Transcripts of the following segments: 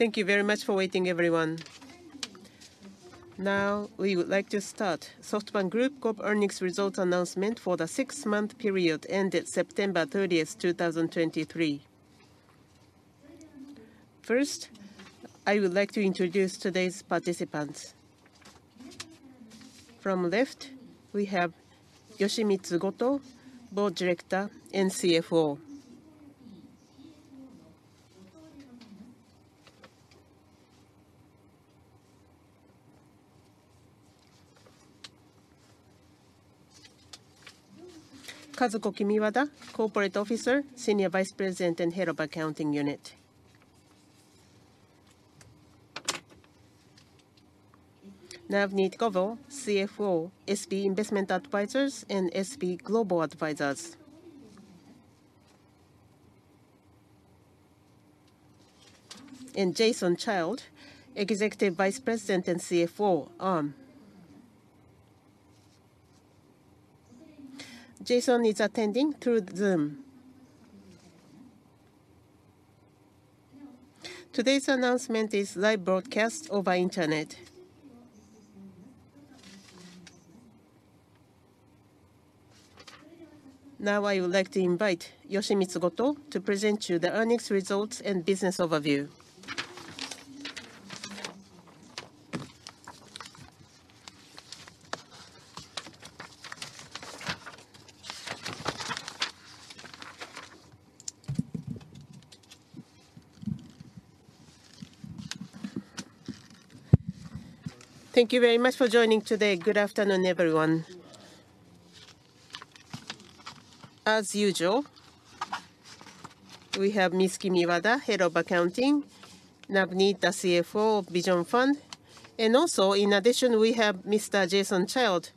Thank you very much for waiting, everyone. Now, we would like to start SoftBank Group Corp. earnings results announcement for the six-month period ended September 30, 2023. First, I would like to introduce today's participants. From left, we have Yoshimitsu Goto, Board Director and CFO. Kazuko Kimiwada, Corporate Officer, Senior Vice President, and Head of Accounting Unit. Navneet Govil, CFO, SB Investment Advisers and SB Global Advisers. And Jason Child, Executive Vice President and CFO, Arm. Jason is attending through Zoom. Today's announcement is live broadcast over internet. Now, I would like to invite Yoshimitsu Goto to present you the earnings results and business overview. Thank you very much for joining today. Good afternoon, everyone. As usual, we have Ms. Kimiwada, Head of Accounting, Navneet, the CFO of Vision Fund, and also in addition, we have Mr. Jason Child,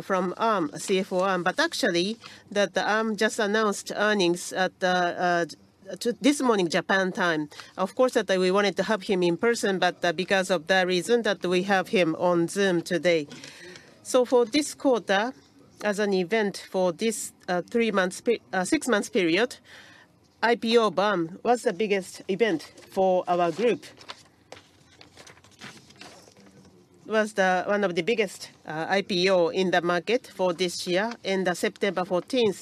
from Arm, CFO Arm. But actually, that Arm just announced earnings at the this morning, Japan time. Of course, that we wanted to have him in person, but because of that reason that we have him on Zoom today. So for this quarter, as an event for this three months six months period, IPO Arm was the biggest event for our group. It was the one of the biggest IPO in the market for this year, in the September 14,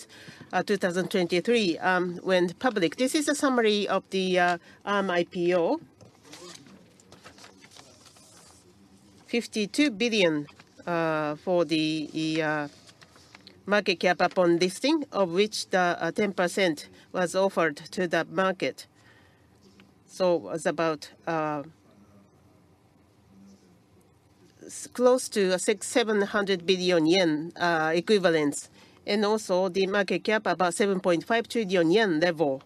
2023, Arm went public. This is a summary of the Arm IPO. $52 billion for the market cap upon listing, of which the 10% was offered to the market. So it was about close to a 600-700 billion yen equivalents, and also the market cap about 7.5 trillion yen level.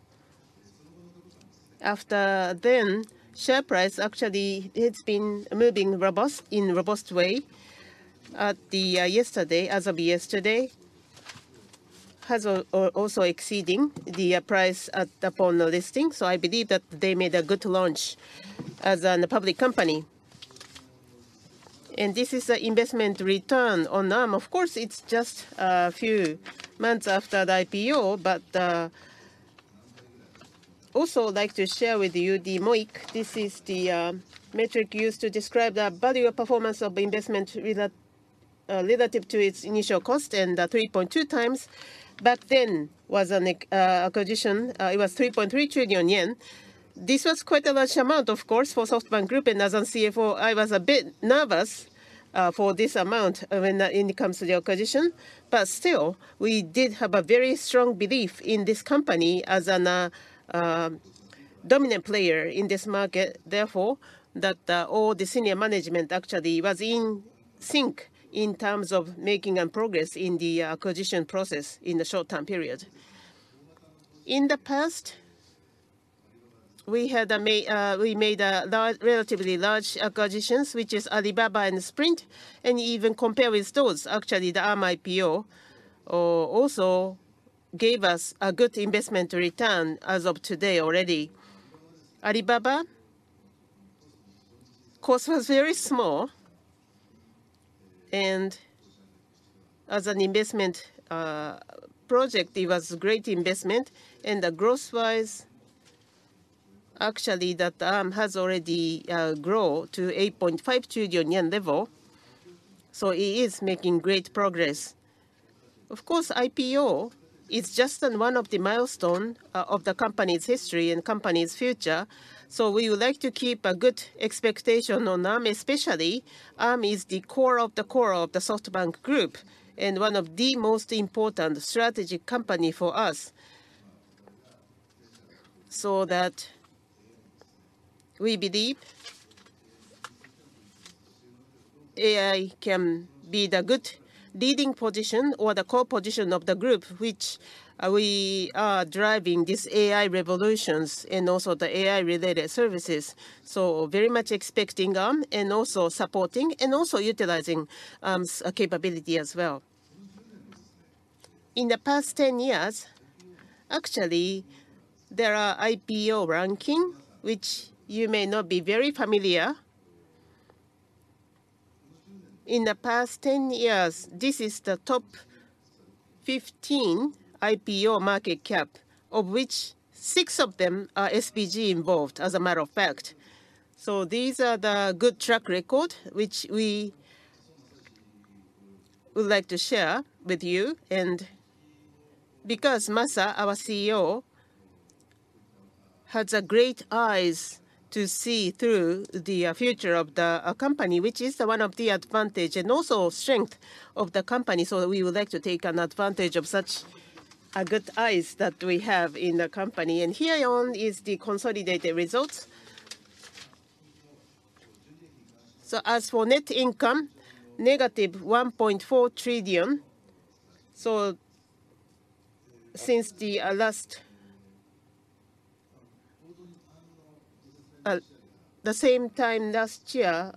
After that, share price actually it's been moving robust, in robust way. As of yesterday, it has also exceeded the price upon the listing. So I believe that they made a good launch as a public company. And this is the investment return on Arm. Of course, it's just a few months after the IPO, but also I'd like to share with you the MOIC. This is the metric used to describe the value or performance of investment relative to its initial cost, and 3.2 times. Back then was an acquisition, it was 3.3 trillion yen. This was quite a large amount, of course, for SoftBank Group, and as a CFO, I was a bit nervous for this amount when it comes to the acquisition. But still, we did have a very strong belief in this company as an dominant player in this market. Therefore, that all the senior management actually was in sync in terms of making and progress in the acquisition process in the short-term period. In the past, we had a we made a large, relatively large, acquisitions, which is Alibaba and Sprint. And even compare with those, actually, the Arm IPO also gave us a good investment return as of today already. Alibaba, cost was very small, and as an investment project, it was a great investment. And the growth-wise, actually, that Arm has already grown to 8.5 trillion yen level, so it is making great progress. Of course, IPO is just a one of the milestone, of the company's history and company's future, so we would like to keep a good expectation on Arm. Especially, Arm is the core of the core of the SoftBank Group, and one of the most important strategic company for us. So that we believe AI can be the good leading position or the core position of the group, which, we are driving this AI revolutions and also the AI-related services. So very much expecting Arm, and also supporting, and also utilizing Arm's, capability as well. In the past 10 years, actually, there are IPO ranking, which you may not be very familiar... in the past 10 years, this is the top 15 IPO market cap, of which six of them are SBG involved, as a matter of fact. So these are the good track record which we would like to share with you. And because Masa, our CEO, has a great eyes to see through the future of the company, which is one of the advantage and also strength of the company. So we would like to take an advantage of such a good eyes that we have in the company. And here on is the consolidated results. So as for net income, -1.4 trillion. So since the last, the same time last year,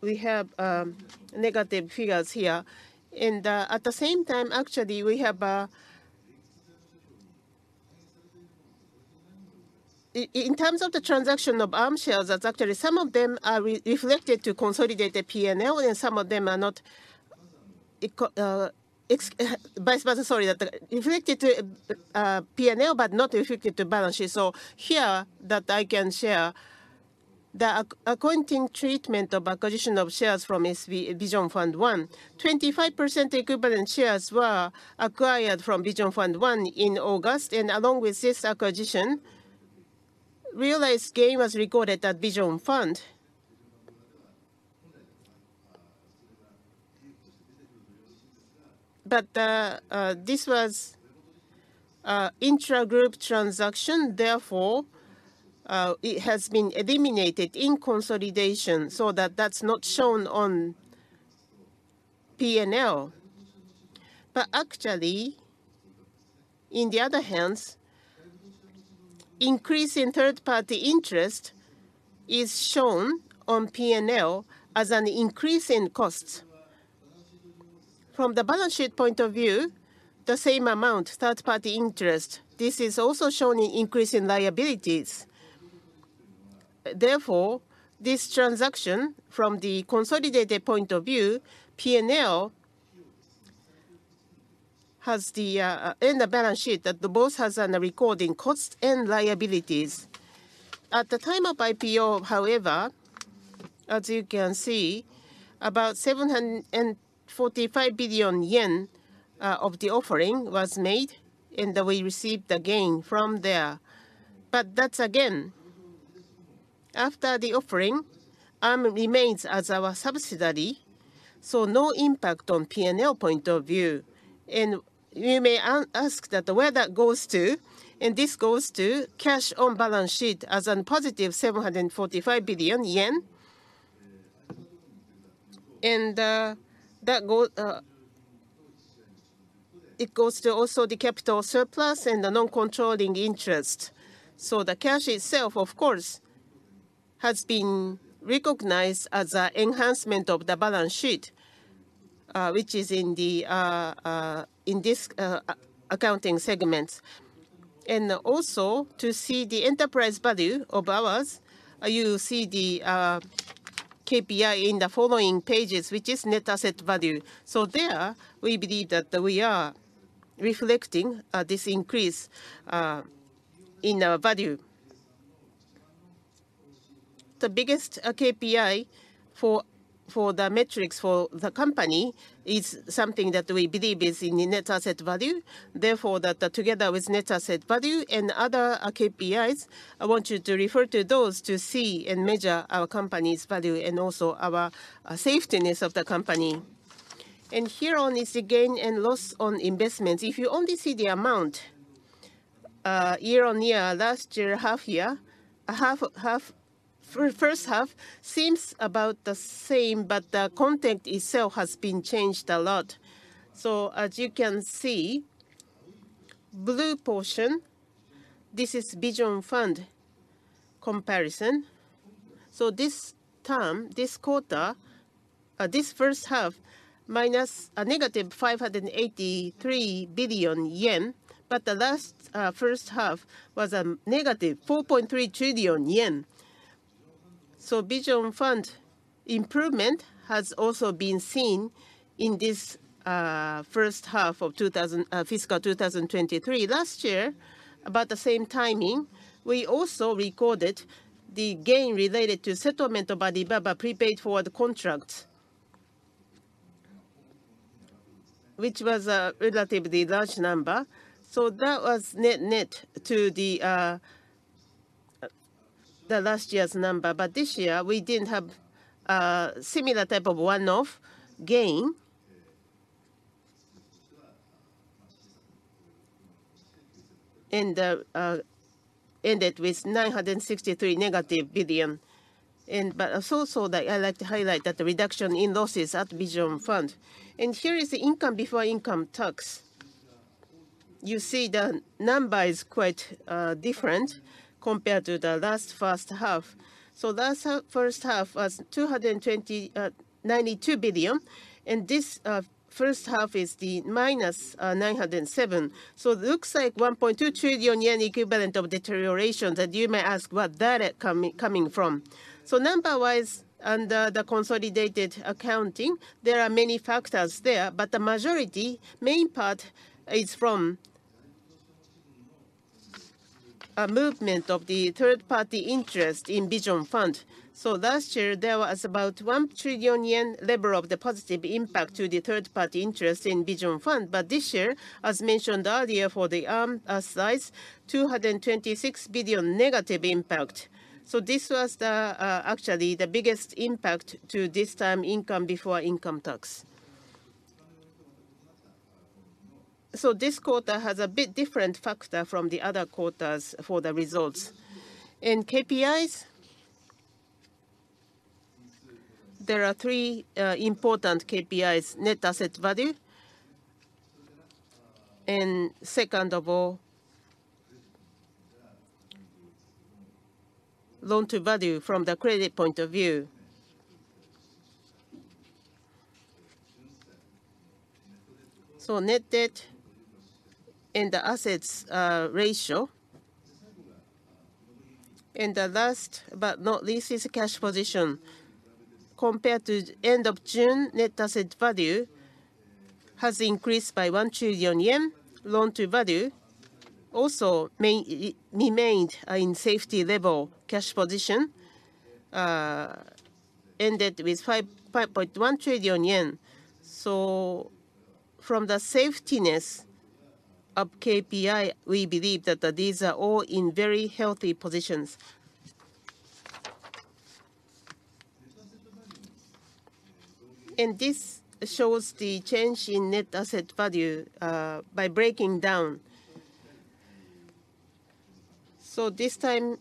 we have negative figures here. And at the same time, actually, we have... In terms of the transaction of Arm shares, that's actually some of them are reflected to consolidate the P&L, and some of them are not, vice versa, sorry, that reflected to P&L, but not reflected to balance sheet. So here that I can share the accounting treatment of acquisition of shares from Vision Fund 1. 25% equivalent shares were acquired from Vision Fund 1 in August, and along with this acquisition, realized gain was recorded at Vision Fund. But this was intra-group transaction, therefore it has been eliminated in consolidation, so that's not shown on P&L. But actually, in the other hands, increase in third-party interest is shown on P&L as an increase in costs. From the balance sheet point of view, the same amount, third-party interest, this is also shown in increase in liabilities. Therefore, this transaction from the consolidated point of view, P&L has the, in the balance sheet, that both has an recording cost and liabilities. At the time of IPO, however, as you can see, about 745 billion yen of the offering was made, and we received a gain from there. But that's again, after the offering, Arm remains as our subsidiary, so no impact on P&L point of view. And you may ask that where that goes to, and this goes to cash on balance sheet as a positive 745 billion yen. And, that goes to also the capital surplus and the non-controlling interest. So the cash itself, of course, has been recognized as a enhancement of the balance sheet, which is in this, accounting segments. Also, to see the enterprise value of ours, you see the KPI in the following pages, which is net asset value. So there, we believe that we are reflecting this increase in our value. The biggest KPI for the metrics for the company is something that we believe is in the net asset value. Therefore, that together with net asset value and other KPIs, I want you to refer to those to see and measure our company's value and also our safetiness of the company. Here on is the gain and loss on investments. If you only see the amount year-over-year, last year half year first half seems about the same, but the content itself has been changed a lot. As you can see, blue portion, this is Vision Fund comparison. So this term, this quarter, this first half, minus a negative 583 billion yen, but the last, first half was a negative 4.3 trillion yen. So Vision Fund improvement has also been seen in this, first half of fiscal 2023. Last year, about the same timing, we also recorded the gain related to settlement of Alibaba prepaid forward contracts, which was a relatively large number. So that was net, net to the, the last year's number. But this year we didn't have a similar type of one-off gain. And, ended with negative 963 billion. And but also, so that I like to highlight that the reduction in losses at Vision Fund. And here is the income before income tax.... you see the number is quite different compared to the last first half. So last half, first half was 292 billion, and this first half is the -907. So it looks like 1.2 trillion yen equivalent of deterioration that you may ask, "Where that coming from?" So number-wise, under the consolidated accounting, there are many factors there, but the majority, main part is from a movement of the third-party interest in Vision Fund. So last year, there was about 1 trillion yen level of the positive impact to the third-party interest in Vision Fund, but this year, as mentioned earlier for the Arm size, 226 billion negative impact. So this was the actually the biggest impact to this term income before income tax. So this quarter has a bit different factor from the other quarters for the results. In KPIs, there are three important KPIs: Net Asset Value, and second of all, Loan-to-Value from the credit point of view. So net debt and the assets ratio. And the last but not least is cash position. Compared to end of June, Net Asset Value has increased by JPY 1 trillion. Loan-to-Value also remained in safety level. Cash position ended with 5.1 trillion yen. So from the safetiness of KPI, we believe that these are all in very healthy positions. And this shows the change in Net Asset Value by breaking down. So this time,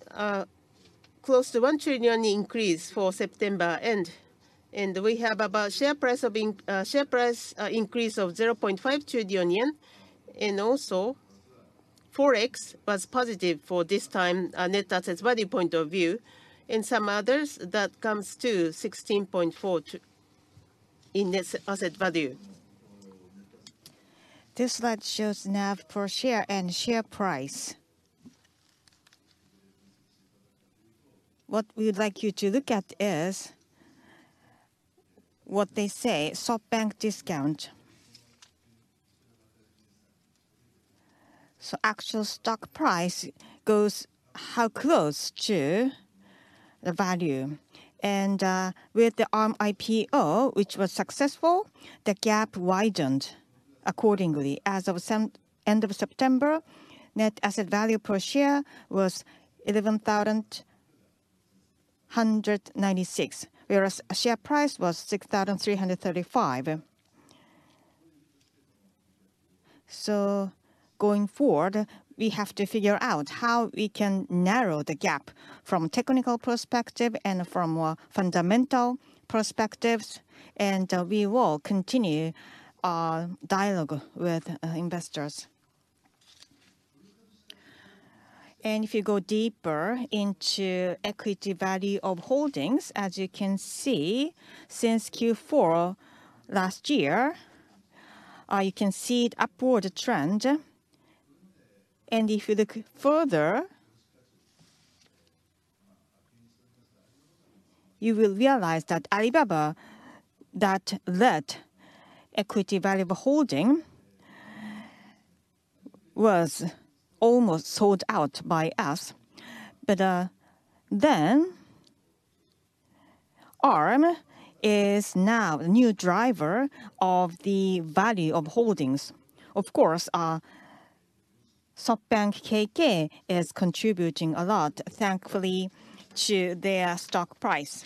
close to 1 trillion increase for September end, and we have about share price increase of 0.5 trillion yen. Also, Forex was positive for this time, net asset value point of view, and some others that comes to 16.4 trillion in net asset value. This slide shows NAV per share and share price. What we'd like you to look at is what they say, SoftBank discount. So actual stock price goes how close to the value? And, with the Arm IPO, which was successful, the gap widened accordingly. As of end of September, net asset value per share was 11,196, whereas share price was 6,335. So going forward, we have to figure out how we can narrow the gap from technical perspective and from a fundamental perspectives, and, we will continue our dialogue with, investors. If you go deeper into equity value of holdings, as you can see, since Q4 last year, you can see the upward trend. If you look further, you will realize that Alibaba, that equity value holding was almost sold out by us. But then Arm is now the new driver of the value of holdings. Of course, SoftBank KK is contributing a lot, thankfully, to their stock price.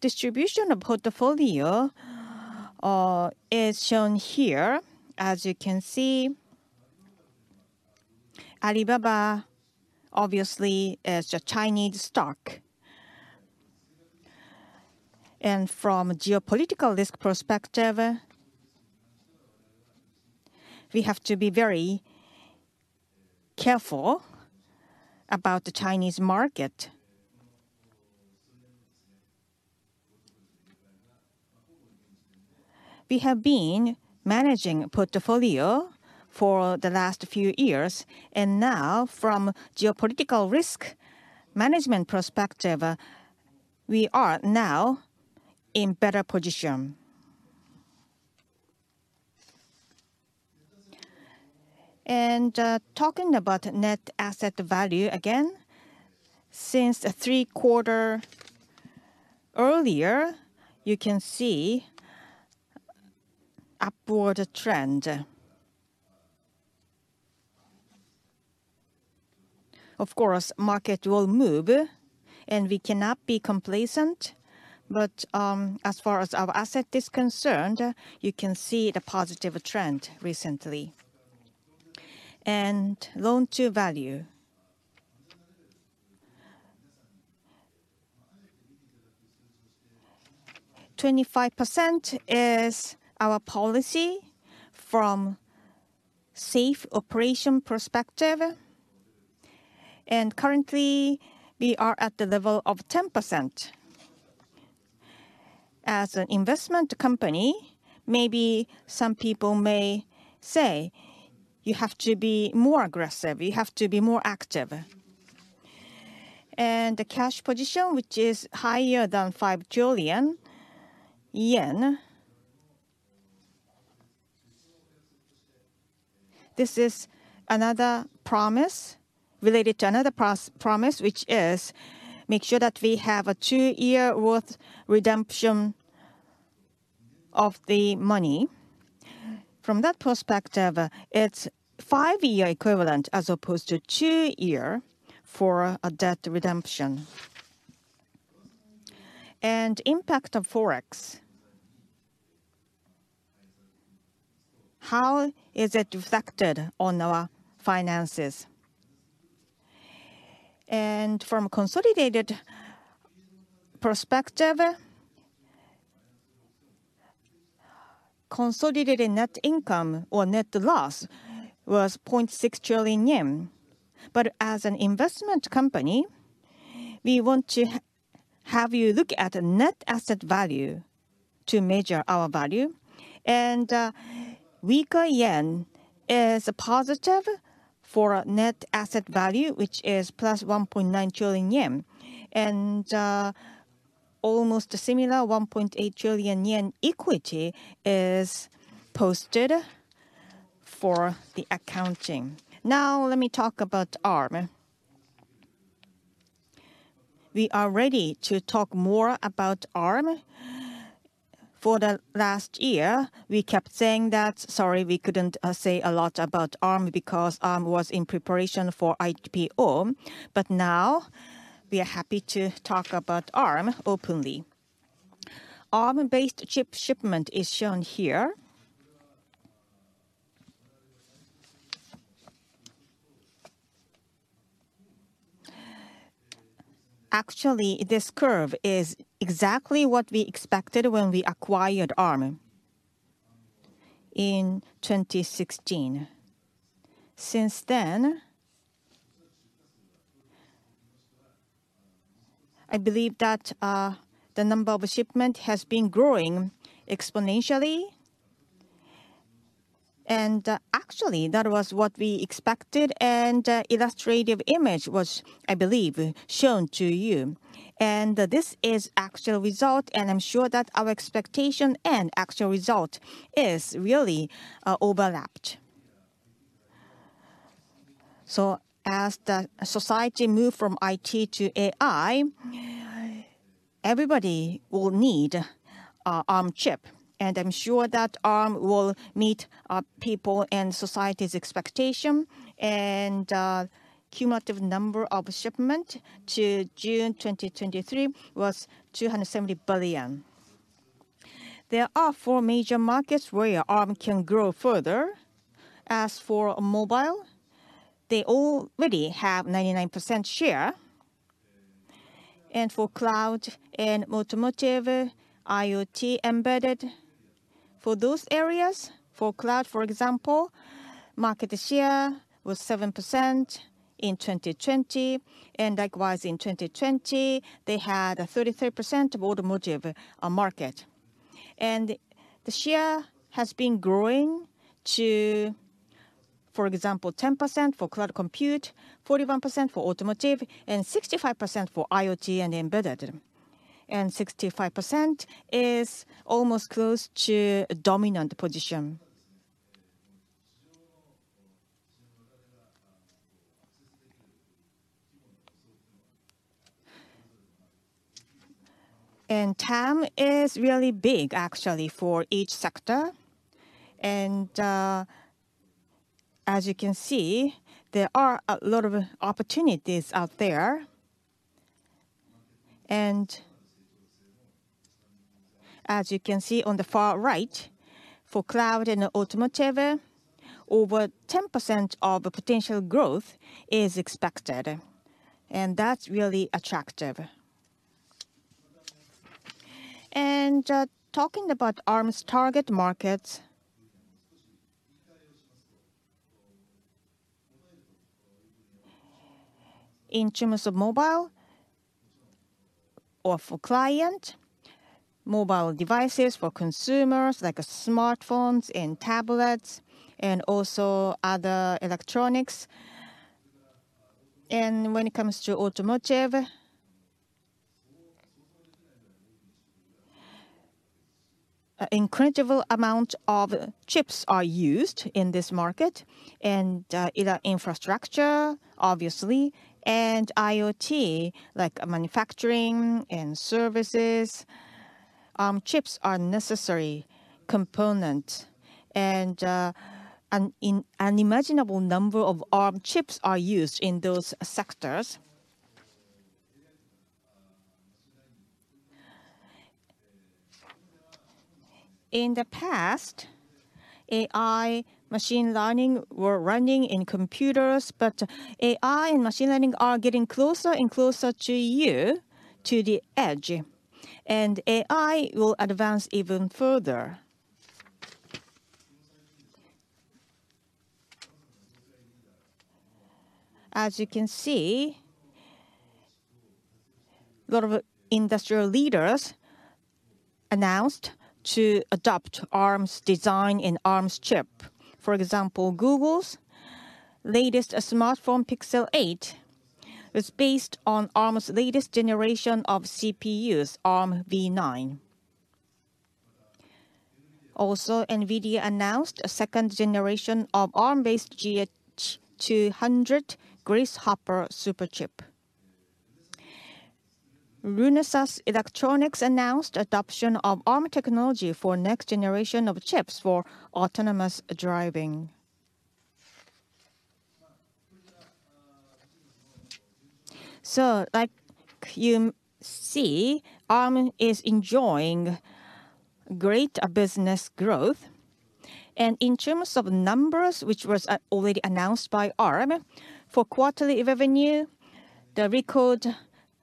Distribution of portfolio is shown here. As you can see, Alibaba obviously is a Chinese stock. From a geopolitical risk perspective, we have to be very careful about the Chinese market. We have been managing portfolio for the last few years, and now from geopolitical risk management perspective, we are now in better position. Talking about net asset value again, since three quarters earlier, you can see upward trend. Of course, market will move, and we cannot be complacent, but, as far as our asset is concerned, you can see the positive trend recently. And loan-to-value. 25% is our policy from safe operation perspective, and currently, we are at the level of 10%. As an investment company, maybe some people may say, "You have to be more aggressive, you have to be more active." And the cash position, which is higher than 5 trillion yen. This is another promise related to another promise, which is make sure that we have a two-year worth redemption of the money. From that perspective, it's five-year equivalent as opposed to two-year for a debt redemption. And impact of Forex. How is it reflected on our finances? And from a consolidated perspective, consolidated net income or net loss was 0.6 trillion yen. But as an investment company, we want to have you look at the net asset value to measure our value. Weaker yen is a positive for net asset value, which is plus 1.9 trillion yen. Almost similar, 1.8 trillion yen equity is posted for the accounting. Now, let me talk about Arm. We are ready to talk more about Arm. For the last year, we kept saying that, "Sorry, we couldn't say a lot about Arm because Arm was in preparation for IPO." But now we are happy to talk about Arm openly. Arm-based chip shipment is shown here. Actually, this curve is exactly what we expected when we acquired Arm in 2016. Since then, I believe that the number of shipment has been growing exponentially. Actually, that was what we expected, and illustrative image was, I believe, shown to you. And this is actual result, and I'm sure that our expectation and actual result is really overlapped. So as the society move from IT to AI, everybody will need a Arm chip, and I'm sure that Arm will meet people and society's expectation. And cumulative number of shipment to June 2023 was 270 billion. There are four major markets where Arm can grow further. As for mobile, they already have 99% share. And for cloud and automotive, IoT embedded, for those areas, for cloud, for example, market share was 7% in 2020, and likewise in 2020, they had a 33% of automotive market. The share has been growing to, for example, 10% for cloud compute, 41% for automotive, and 65% for IoT and embedded. 65% is almost close to a dominant position. TAM is really big, actually, for each sector. As you can see, there are a lot of opportunities out there. As you can see on the far right, for cloud and automotive, over 10% of the potential growth is expected, and that's really attractive. Talking about Arm's target markets. In terms of mobile or for client, mobile devices for consumers, like smartphones and tablets, and also other electronics. When it comes to automotive, an incredible amount of chips are used in this market and in the infrastructure, obviously, and IoT, like manufacturing and services, chips are a necessary component. An unimaginable number of Arm chips are used in those sectors.... in the past, AI machine learning were running in computers, but AI and machine learning are getting closer and closer to you, to the edge, and AI will advance even further. As you can see, a lot of industrial leaders announced to adopt Arm's design and Arm's chip. For example, Google's latest smartphone, Pixel 8, was based on Arm's latest generation of CPUs, Armv9. Also, NVIDIA announced a second generation of Arm-based GH200 Grace Hopper Superchip. Renesas Electronics announced adoption of Arm technology for next generation of chips for autonomous driving. So like you see, Arm is enjoying great business growth. And in terms of numbers, which was already announced by Arm, for quarterly revenue, the record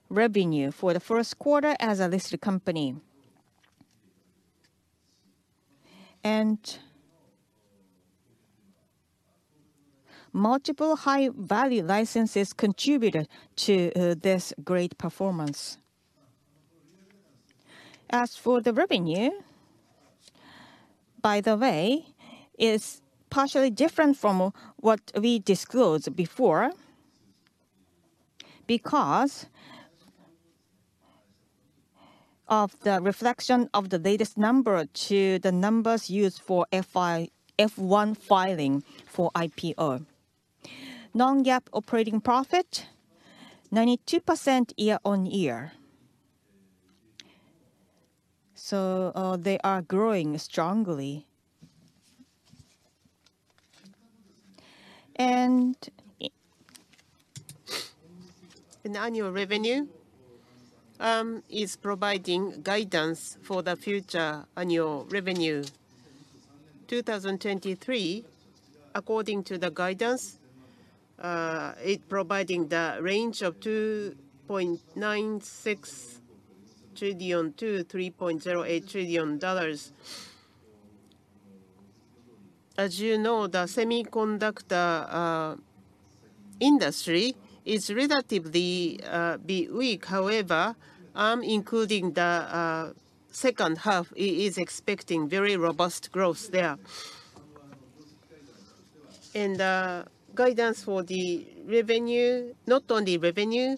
revenue for the first quarter as a listed company. And multiple high-value licenses contributed to this great performance. As for the revenue, by the way, it's partially different from what we disclosed before, because of the reflection of the latest number to the numbers used for F-1 filing for IPO. Non-GAAP operating profit, 92% year-on-year. They are growing strongly. And annual revenue is providing guidance for the future annual revenue. 2023, according to the guidance, it providing the range of $2.96 trillion-$3.08 trillion. As you know, the semiconductor industry is relatively being weak. However, including the second half, it is expecting very robust growth there. And guidance for the revenue, not only revenue,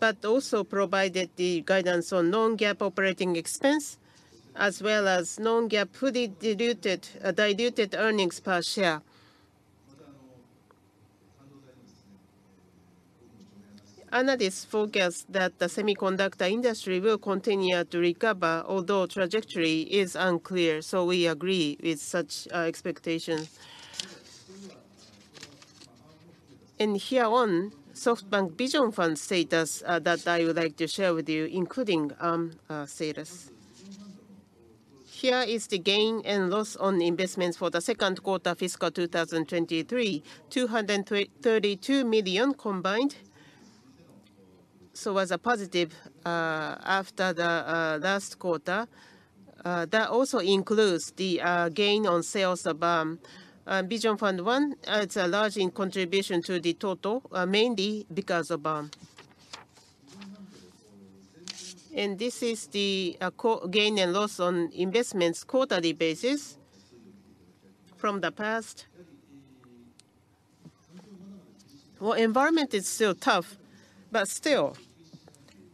but also provided the guidance on non-GAAP operating expense, as well as non-GAAP fully diluted earnings per share. Analysts forecast that the semiconductor industry will continue to recover, although trajectory is unclear, so we agree with such expectations. Here on SoftBank Vision Fund status that I would like to share with you, including status. Here is the gain and loss on investments for the second quarter, fiscal 2023, 232 million combined. So as a positive, after the last quarter, that also includes the gain on sales of Arm. Vision Fund 1, it's a large contribution to the total, mainly because of Arm. And this is the gain and loss on investments quarterly basis from the past. Well, environment is still tough, but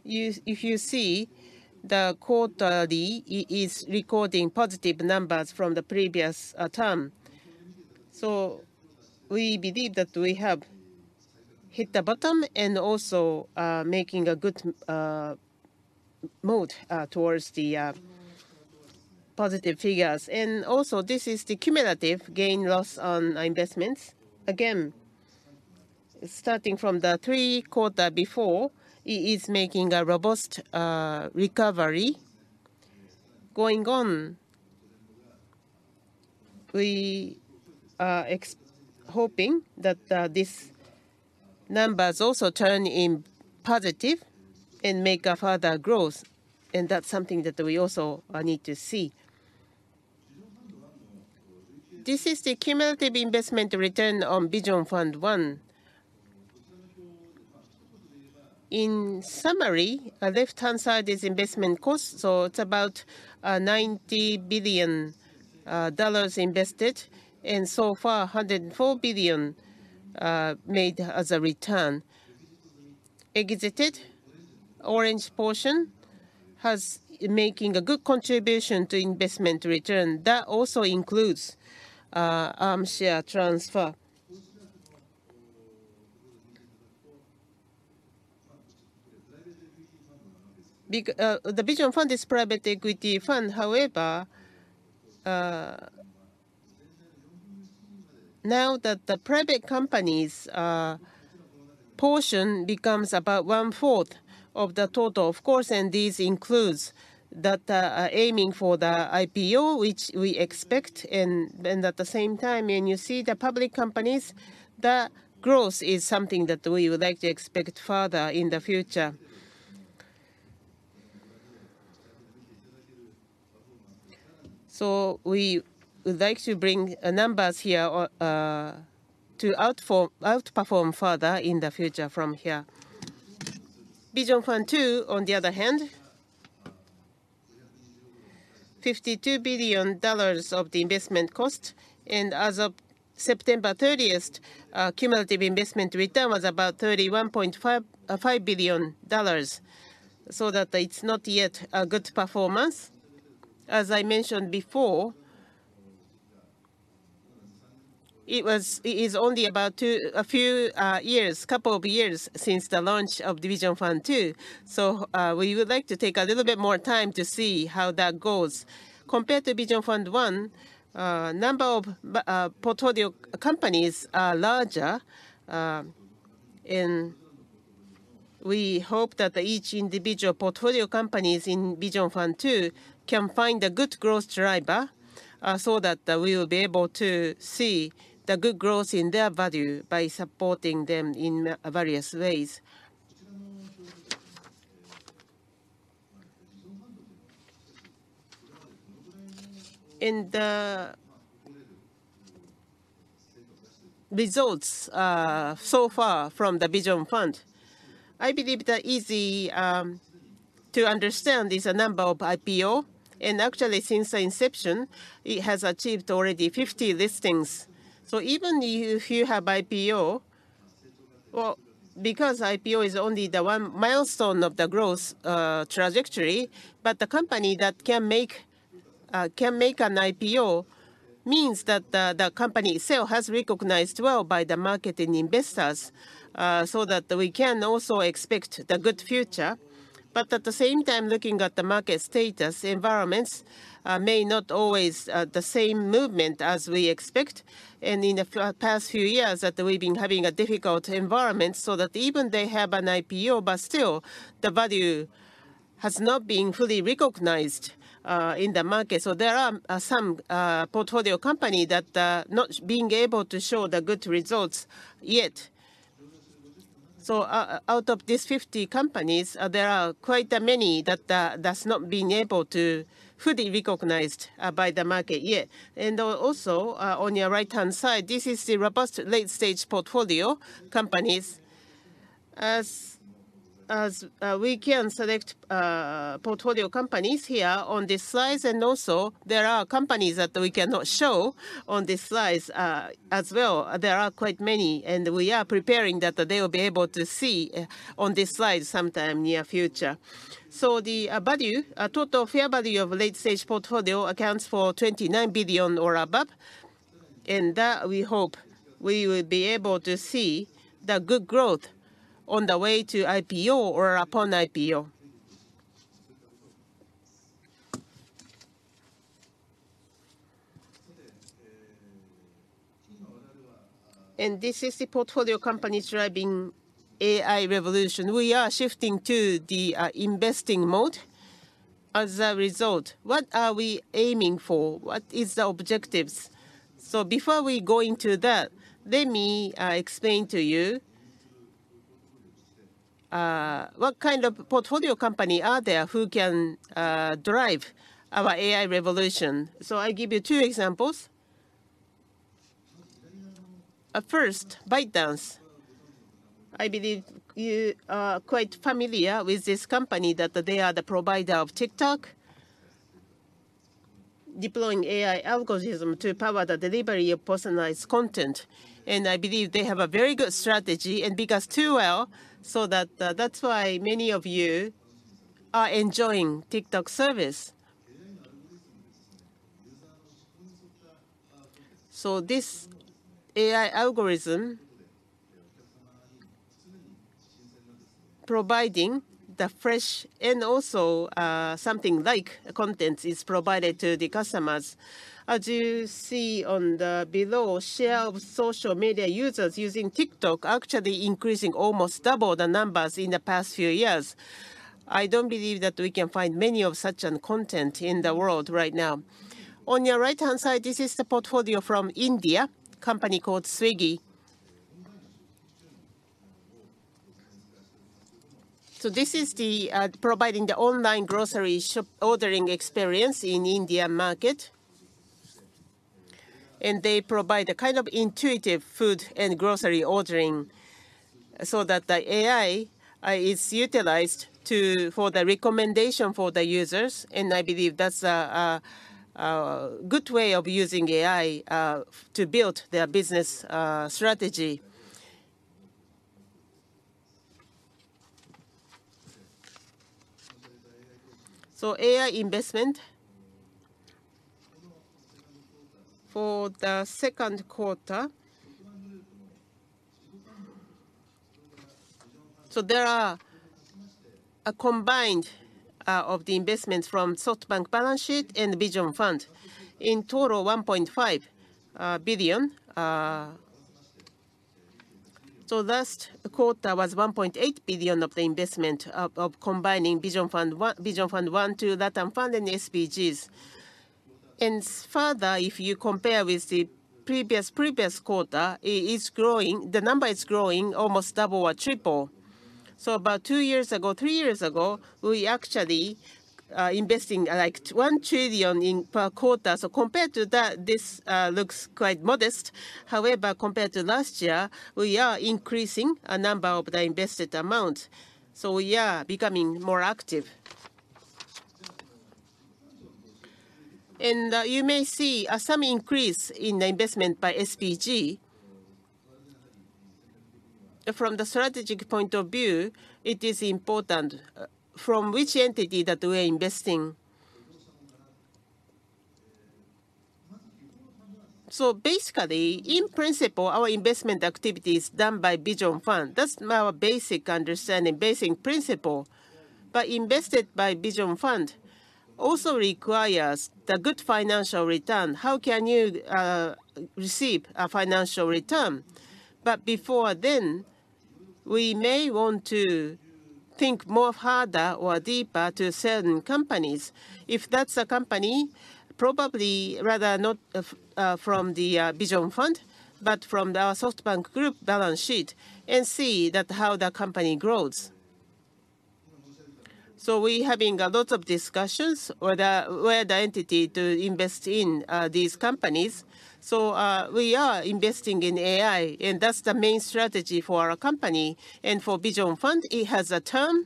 still, if you see, the quarterly is recording positive numbers from the previous term. So we believe that we have hit the bottom and also making a good move towards the positive figures. Also, this is the cumulative gain/loss on investments. Again, starting from the third quarter before, it is making a robust recovery. Going on, we are expecting that these numbers also turn positive and make a further growth, and that's something that we also need to see. This is the cumulative investment return on Vision Fund 1. In summary, the left-hand side is investment cost, so it's about $90 billion dollars invested, and so far, $104 billion made as a return. Exited, orange portion, has making a good contribution to investment return. That also includes Arm share transfer. Big... The Vision Fund is private equity fund, however... Now that the private companies portion becomes about one fourth of the total, of course, and this includes that aiming for the IPO, which we expect. And at the same time, when you see the public companies, the growth is something that we would like to expect further in the future. So we would like to bring numbers here to outperform further in the future from here. Vision Fund 2, on the other hand, $52 billion of the investment cost, and as of September thirtieth cumulative investment return was about 31.55 billion dollars, so that it's not yet a good performance. As I mentioned before, it is only about a few years, couple of years since the launch of the Vision Fund 2, so we would like to take a little bit more time to see how that goes. Compared to Vision Fund 1, number of portfolio companies are larger, and we hope that each individual portfolio companies in Vision Fund 2 can find a good growth driver, so that we will be able to see the good growth in their value by supporting them in various ways. And the results so far from the Vision Fund, I believe that easy to understand is the number of IPO. And actually, since the inception, it has achieved already 50 listings. So even if you have IPO, well, because IPO is only the one milestone of the growth trajectory, but the company that can make an IPO means that the company itself has recognized well by the market and investors, so that we can also expect the good future. But at the same time, looking at the market status, environments, may not always the same movement as we expect. And in the past few years that we've been having a difficult environment, so that even they have an IPO, but still the value has not been fully recognized in the market. So there are some portfolio company that not being able to show the good results yet. So out of these 50 companies, there are quite many that that's not been able to fully recognized by the market yet. And also, on your right-hand side, this is the robust late stage portfolio companies. As we can select portfolio companies here on this slides, and also there are companies that we cannot show on this slides as well. There are quite many, and we are preparing that they will be able to see on this slide sometime near future. So the value total fair value of late stage portfolio accounts for $29 billion or above, and that we hope we will be able to see the good growth on the way to IPO or upon IPO. And this is the portfolio company driving AI revolution. We are shifting to the investing mode. As a result, what are we aiming for? What is the objectives? So before we go into that, let me explain to you what kind of portfolio company are there who can drive our AI revolution. So I give you two examples. First, ByteDance. I believe you are quite familiar with this company, that they are the provider of TikTok, deploying AI algorithm to power the delivery of personalized content. And I believe they have a very good strategy, and because too well, so that that's why many of you are enjoying TikTok service. So this AI algorithm, providing the fresh and also something like content is provided to the customers. As you see on the below, share of social media users using TikTok actually increasing almost double the numbers in the past few years. I don't believe that we can find many of such content in the world right now. On your right-hand side, this is the portfolio from India, company called Swiggy. So this is the providing the online grocery shop ordering experience in Indian market. And they provide a kind of intuitive food and grocery ordering, so that the AI is utilized to for the recommendation for the users, and I believe that's a good way of using AI to build their business strategy. So AI investment for the second quarter... So there are a combined of the investments from SoftBank balance sheet and Vision Fund. In total, $1.5 billion. So last quarter was $1.8 billion of the investment of combining Vision Fund 1, Vision Fund 2, LatAm Fund and SBGs. Further, if you compare with the previous previous quarter, it is growing, the number is growing almost double or triple. So about two years ago, three years ago, we actually investing like 1 trillion per quarter. So compared to that, this looks quite modest. However, compared to last year, we are increasing a number of the invested amount, so we are becoming more active. And you may see some increase in the investment by SBG. From the strategic point of view, it is important from which entity that we are investing. So basically, in principle, our investment activity is done by Vision Fund. That's our basic understanding, basic principle. But invested by Vision Fund also requires the good financial return. How can you receive a financial return? But before then, we may want to think more harder or deeper to certain companies. If that's a company, probably rather not from the Vision Fund, but from our SoftBank Group balance sheet, and see how the company grows. So we're having a lot of discussions whether where the entity to invest in these companies. So, we are investing in AI, and that's the main strategy for our company. And for Vision Fund, it has a term.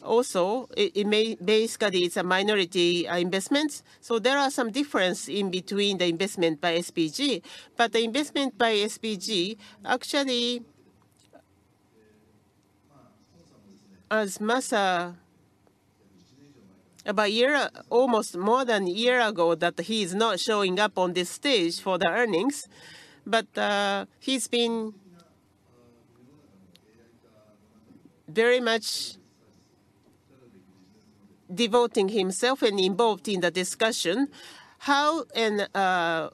Also, basically, it's a minority investment, so there are some difference in between the investment by SBG. But the investment by SBG, actually, as Masa, about a year, almost more than a year ago, that he's not showing up on this stage for the earnings, but he's been very much devoting himself and involved in the discussion, how and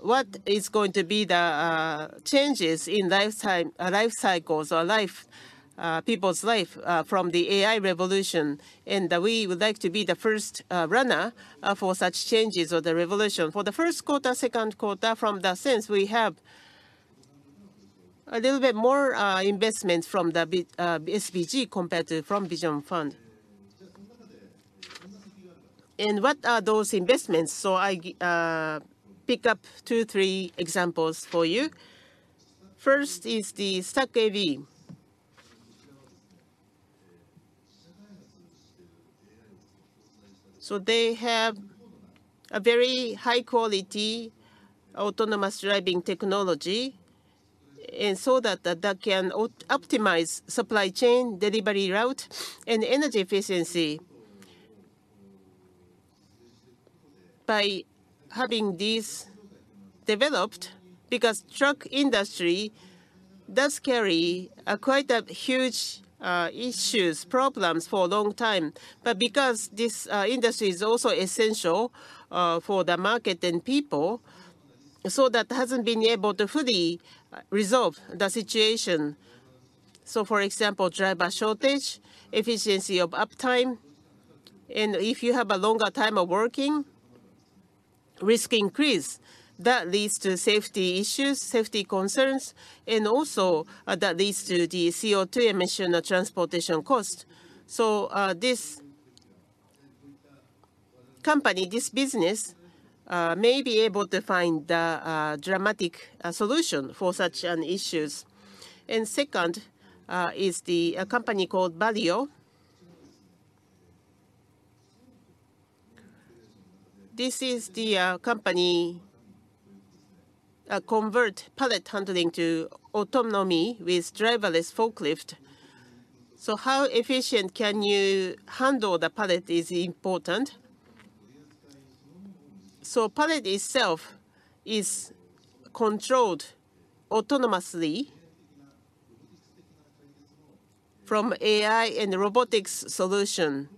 what is going to be the changes in lifetime, life cycles or life, people's life, from the AI revolution. And we would like to be the first runner for such changes or the revolution. For the first quarter, second quarter, from that sense, we have a little bit more investment from the V, SBG compared to from Vision Fund. And what are those investments? So I pick up two, three examples for you. First is the Stack AV. So they have a very high-quality autonomous driving technology, and so that can optimize supply chain, delivery route, and energy efficiency. By having this developed, because truck industry does carry quite a huge issues, problems for a long time. But because this industry is also essential for the market and people, so that hasn't been able to fully resolve the situation. So, for example, driver shortage, efficiency of uptime, and if you have a longer time of working, risk increase. That leads to safety issues, safety concerns, and also that leads to the CO2 emission, the transportation cost. So this company, this business may be able to find a dramatic solution for such an issues. And second is a company called Balyo. This is the company convert pallet handling to autonomy with driverless forklift. So how efficient can you handle the pallet is important. So pallet itself is controlled autonomously from AI and robotics solution,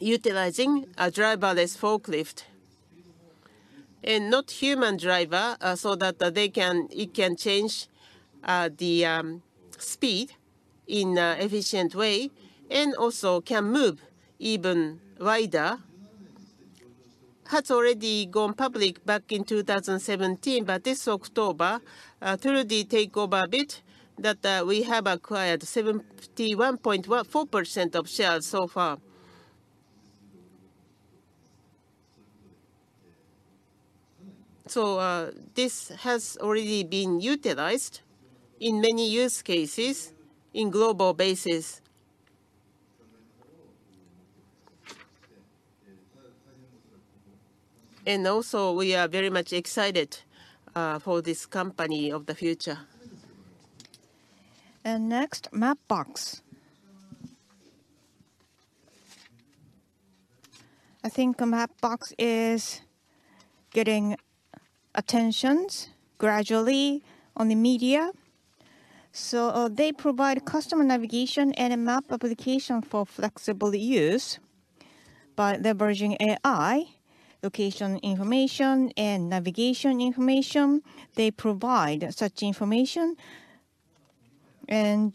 utilizing a driverless forklift and not human driver, so that it can change the speed in an efficient way, and also can move even wider. Has already gone public back in 2017, but this October, through the takeover bid, we have acquired 71.14% of shares so far. So, this has already been utilized in many use cases on a global basis. And also, we are very much excited for this company of the future. Next, Mapbox. I think Mapbox is getting attention gradually on the media. They provide customer navigation and a map application for flexible use by leveraging AI, location information, and navigation information. They provide such information, and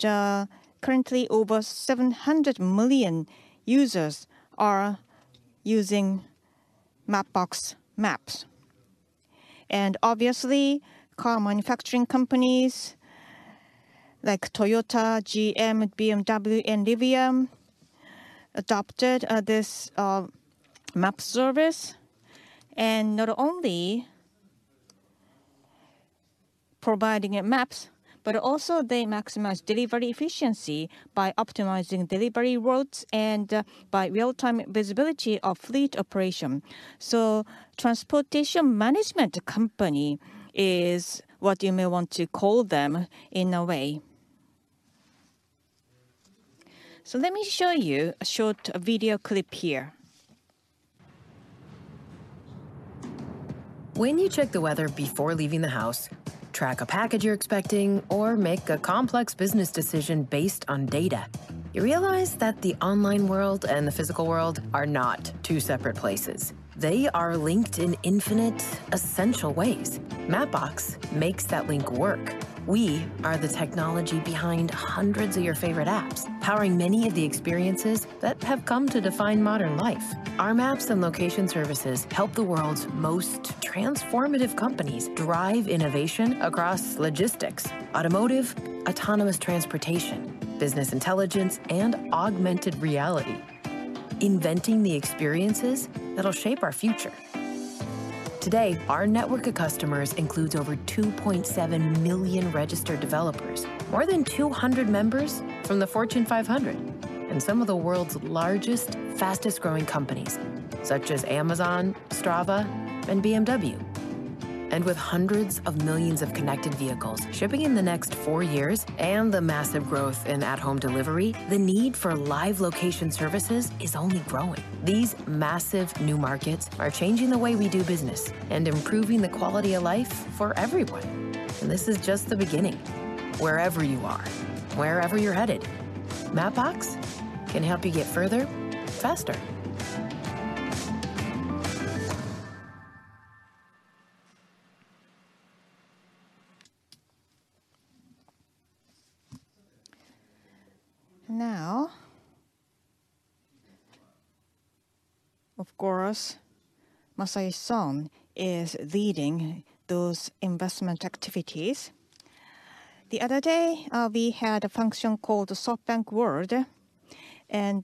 currently, over 700 million users are using Mapbox maps. And obviously, car manufacturing companies like Toyota, GM, BMW, and NVIDIA adopted this map service. And not only providing maps, but also they maximize delivery efficiency by optimizing delivery routes and by real-time visibility of fleet operation. So transportation management company is what you may want to call them in a way. So let me show you a short video clip here. When you check the weather before leaving the house, track a package you're expecting, or make a complex business decision based on data, you realize that the online world and the physical world are not two separate places. They are linked in infinite, essential ways. Mapbox makes that link work. We are the technology behind hundreds of your favorite apps, powering many of the experiences that have come to define modern life. Our maps and location services help the world's most transformative companies drive innovation across logistics, automotive, autonomous transportation, business intelligence, and augmented reality, inventing the experiences that'll shape our future. Today, our network of customers includes over 2.7 million registered developers, more than 200 members from the Fortune 500, and some of the world's largest, fastest-growing companies such as Amazon, Strava, and BMW. With hundreds of millions of connected vehicles shipping in the next four years and the massive growth in at-home delivery, the need for live location services is only growing. These massive new markets are changing the way we do business and improving the quality of life for everyone. This is just the beginning. Wherever you are, wherever you're headed, Mapbox can help you get further, faster. Now, of course, Masayoshi Son is leading those investment activities. The other day, we had a function called the SoftBank World, and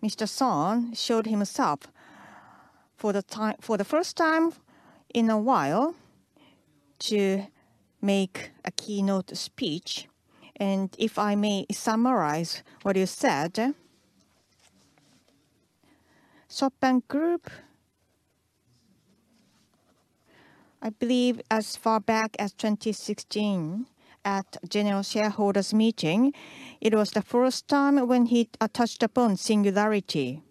Mr. Son showed himself for the first time in a while to make a keynote speech. If I may summarize what he said, SoftBank Group, I believe as far back as 2016 at general shareholders meeting, it was the first time when he touched upon singularity.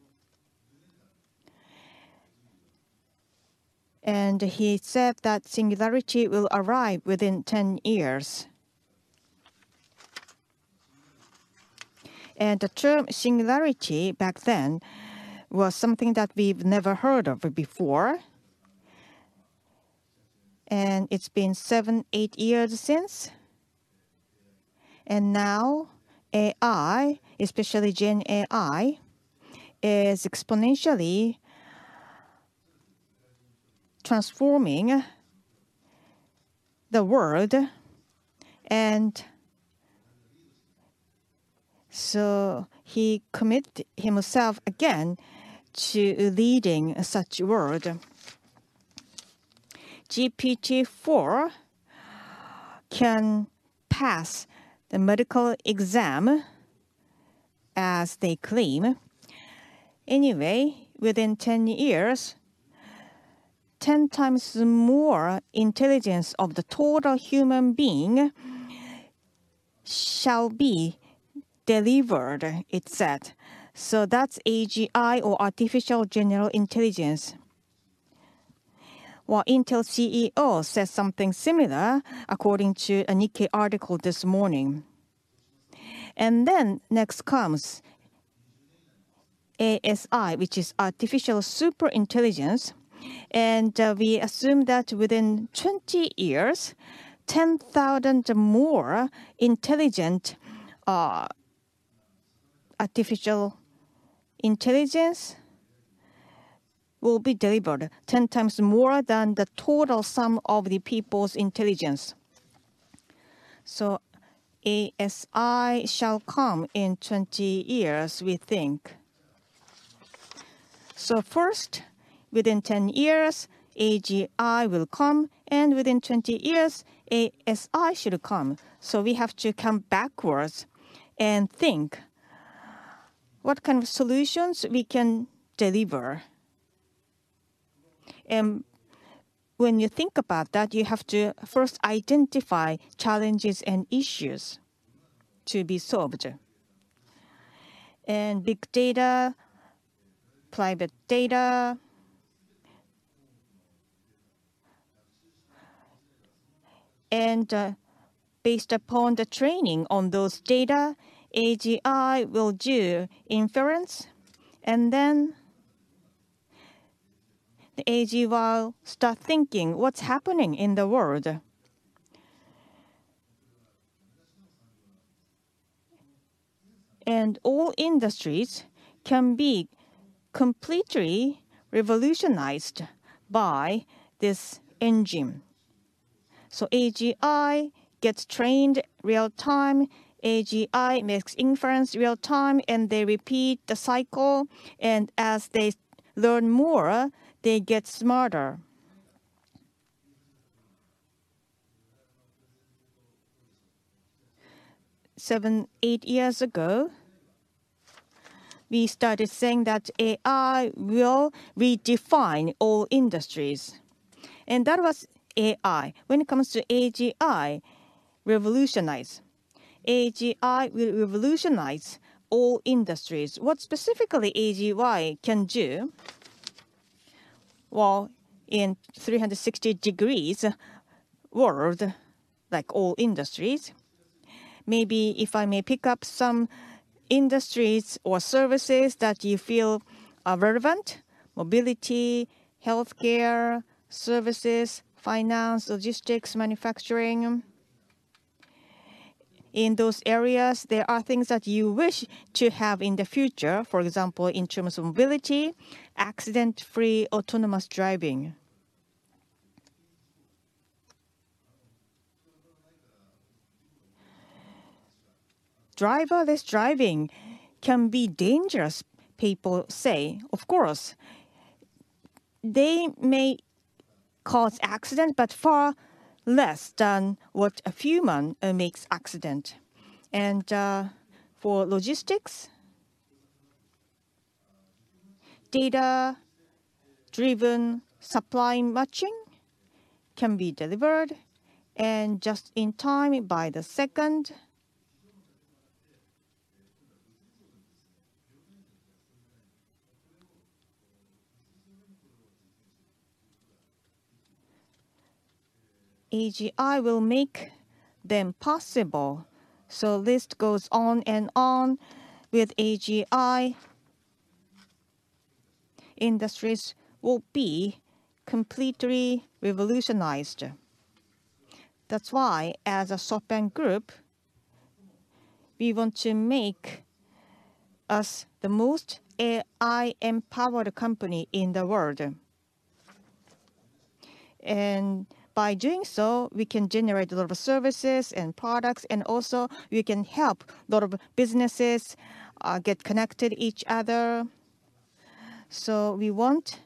And he said that singularity will arrive within 10 years. And the term singularity back then was something that we've never heard of before, and it's been 7, 8 years since. And now AI, especially Gen AI, is exponentially transforming the world, and... So he committed himself again to leading such world. GPT-4 can pass the medical exam, as they claim. Anyway, within 10 years, 10 times more intelligence of the total human being shall be delivered, it's said. So that's AGI or Artificial General Intelligence. Well, Intel CEO says something similar, according to a Nikkei article this morning. And then next comes ASI, which is Artificial Super Intelligence, and we assume that within 20 years, 10,000 more intelligent artificial intelligence will be delivered, 10 times more than the total sum of the people's intelligence. So ASI shall come in 20 years, we think. So first, within 10 years, AGI will come, and within 20 years, ASI should come. So we have to come backwards and think what kind of solutions we can deliver? And when you think about that, you have to first identify challenges and issues to be solved. And big data, private data, and based upon the training on those data, AGI will do inference, and then the AGI will start thinking what's happening in the world. And all industries can be completely revolutionized by this engine. So AGI gets trained real-time, AGI makes inference real-time, and they repeat the cycle, and as they learn more, they get smarter. Seven, eight years ago, we started saying that AI will redefine all industries, and that was AI. When it comes to AGI, revolutionize. AGI will revolutionize all industries. What specifically AGI can do, well, in 360-degree world, like all industries, maybe if I may pick up some industries or services that you feel are relevant: mobility, healthcare, services, finance, logistics, manufacturing. In those areas, there are things that you wish to have in the future. For example, in terms of mobility, accident-free autonomous driving. Driverless driving can be dangerous, people say. Of course, they may cause accident, but far less than what a human makes accident. And for logistics, data-driven supply matching can be delivered and just in time by the second. AGI will make them possible. So list goes on and on. With AGI, industries will be completely revolutionized. That's why, as a SoftBank Group, we want to make us the most AI-empowered company in the world. And by doing so, we can generate a lot of services and products, and also we can help a lot of businesses get connected each other. So we want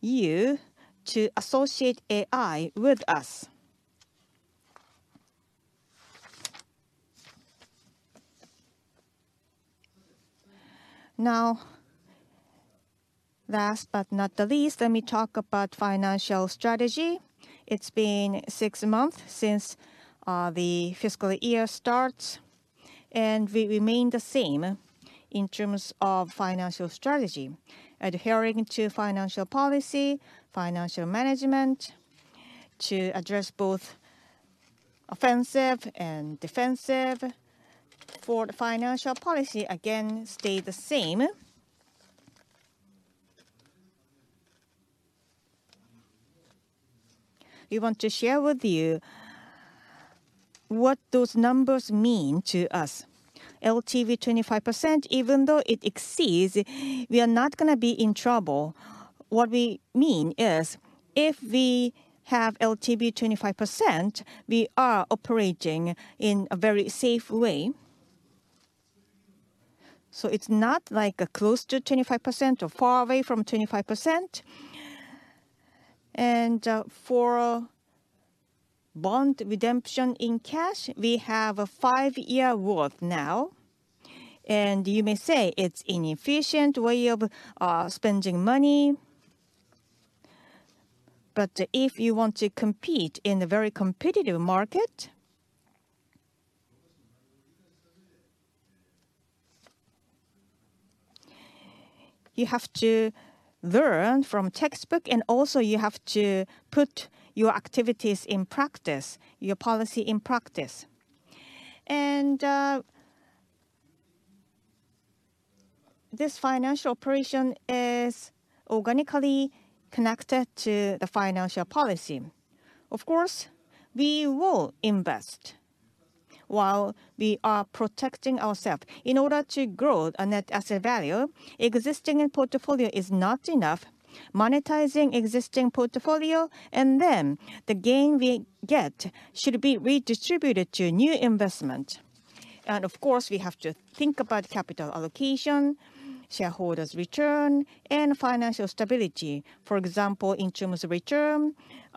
you to associate AI with us. Now, last but not the least, let me talk about financial strategy. It's been six months since the fiscal year starts, and we remain the same in terms of financial strategy. Adhering to financial policy, financial management, to address both offensive and defensive. For the financial policy, again, stay the same. We want to share with you what those numbers mean to us. LTV 25%, even though it exceeds, we are not gonna be in trouble. What we mean is, if we have LTV 25%, we are operating in a very safe way. So it's not like, close to 25% or far away from 25%. And, for bond redemption in cash, we have a 5-year worth now, and you may say it's inefficient way of, spending money. But if you want to compete in a very competitive market, you have to learn from textbook, and also you have to put your activities in practice, your policy in practice. And, this financial operation is organically connected to the financial policy. Of course, we will invest while we are protecting ourselves. In order to grow a net asset value, existing in portfolio is not enough. Monetizing existing portfolio, and then the gain we get should be redistributed to new investment. And of course, we have to think about capital allocation, shareholders' return, and financial stability. For example, in terms of return,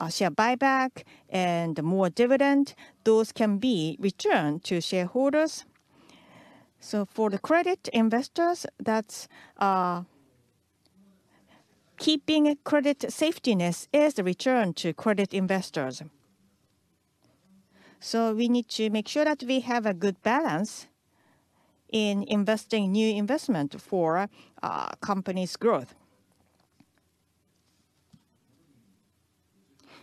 share buyback and more dividend, those can be returned to shareholders. So for the credit investors, that's keeping credit safetiness is the return to credit investors. So we need to make sure that we have a good balance in investing new investment for company's growth.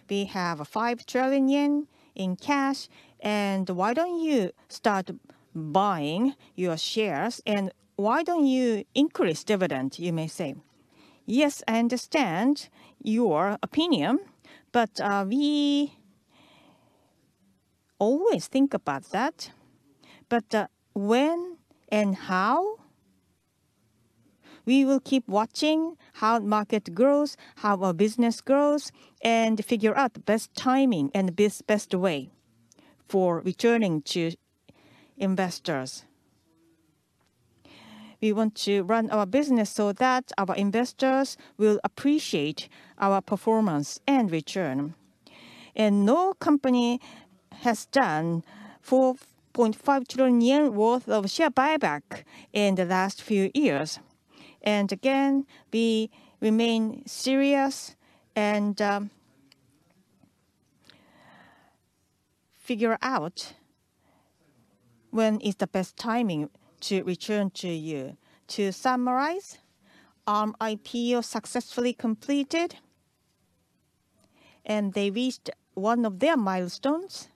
We have 5 trillion yen in cash, and why don't you start buying your shares, and why don't you increase dividend? You may say. Yes, I understand your opinion, but we always think about that. But, when and how, we will keep watching how the market grows, how our business grows, and figure out the best timing and best way for returning to investors. We want to run our business so that our investors will appreciate our performance and return. No company has done 4.5 trillion yen worth of share buyback in the last few years. And again, we remain serious and figure out when is the best timing to return to you. To summarize, Arm IPO successfully completed, and they reached one of their milestones,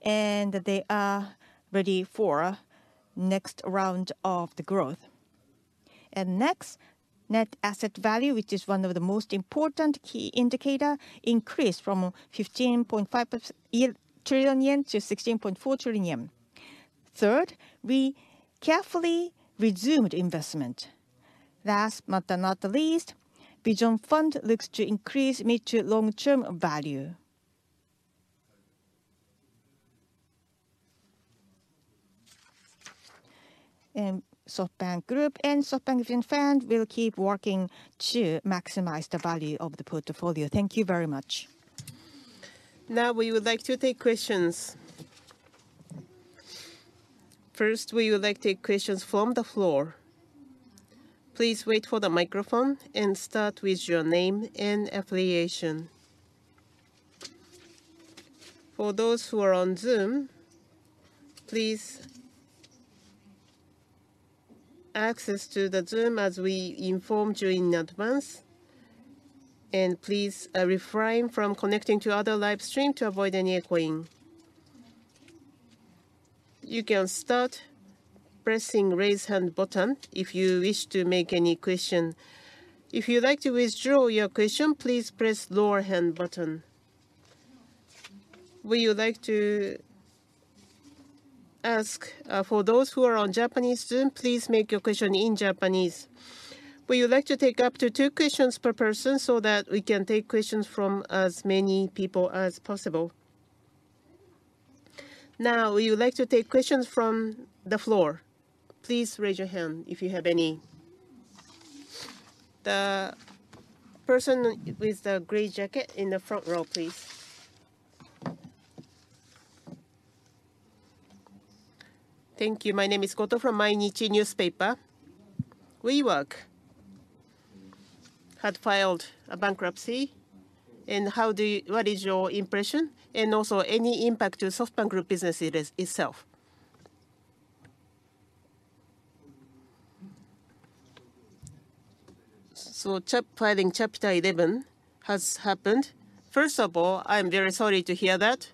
and they are ready for next round of the growth. Next, net asset value, which is one of the most important key indicator, increased from 15.5 trillion yen to 16.4 trillion yen. Third, we carefully resumed investment. Last, but not least, Vision Fund looks to increase mid to long-term value. SoftBank Group and SoftBank Vision Fund will keep working to maximize the value of the portfolio. Thank you very much. Now, we would like to take questions. First, we would like to take questions from the floor. Please wait for the microphone and start with your name and affiliation. For those who are on Zoom, please access to the Zoom as we informed you in advance, and please, refrain from connecting to other live stream to avoid any echoing. You can start pressing Raise Hand button if you wish to make any question. If you'd like to withdraw your question, please press Lower Hand button. We would like to ask, for those who are on Japanese Zoom, please make your question in Japanese. We would like to take up to two questions per person, so that we can take questions from as many people as possible. Now, we would like to take questions from the floor. Please raise your hand if you have any. The person with the gray jacket in the front row, please. Thank you. My name is Goto from Mainichi Newspaper. WeWork had filed a bankruptcy, and how do you... What is your impression, and also any impact to SoftBank Group business itself? So, Chapter 11 filing has happened. First of all, I'm very sorry to hear that.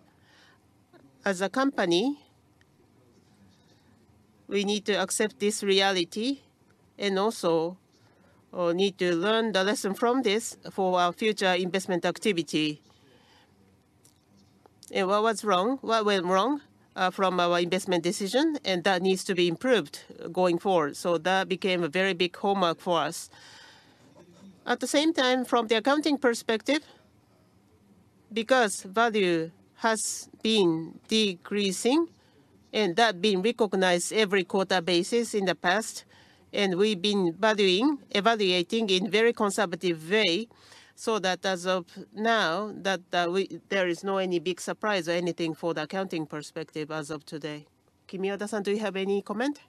As a company, we need to accept this reality, and also need to learn the lesson from this for our future investment activity. And what was wrong, what went wrong, from our investment decision, and that needs to be improved going forward. So that became a very big homework for us. At the same time, from the accounting perspective, because value has been decreasing, and that being recognized every quarter basis in the past, and we've been valuing, evaluating in very conservative way, so that as of now, that, there is no any big surprise or anything for the accounting perspective as of today. Kimiwada-san, do you have any comment?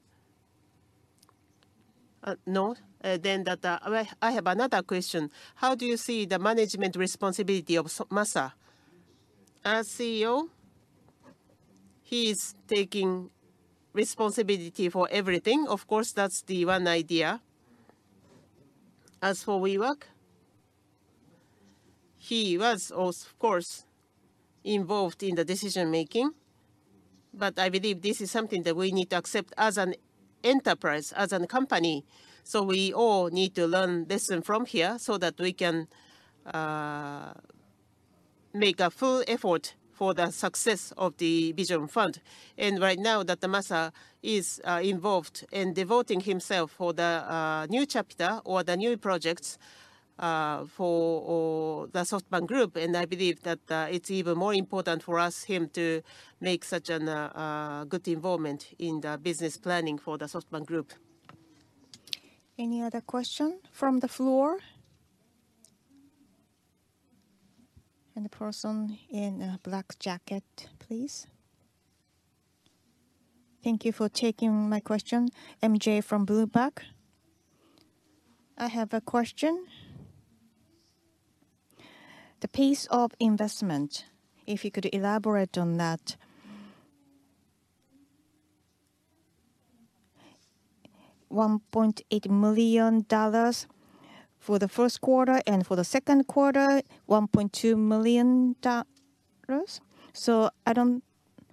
No. Then that, well, I have another question. How do you see the management responsibility of So- Masa? As CEO, he is taking responsibility for everything. Of course, that's the one idea. As for WeWork, he was of course involved in the decision-making, but I believe this is something that we need to accept as an enterprise, as a company. So we all need to learn lesson from here, so that we can make a full effort for the success of the Vision Fund. And right now, that Masa is involved and devoting himself for the new chapter or the new projects for the SoftBank Group. And I believe that it's even more important for us, him to make such a good involvement in the business planning for the SoftBank Group. Any other question from the floor? The person in a black jacket, please. Thank you for taking my question. MJ from Bloomberg. I have a question. The pace of investment, if you could elaborate on that. $1.8 million for the first quarter, and for the second quarter, $1.2 million. So I don't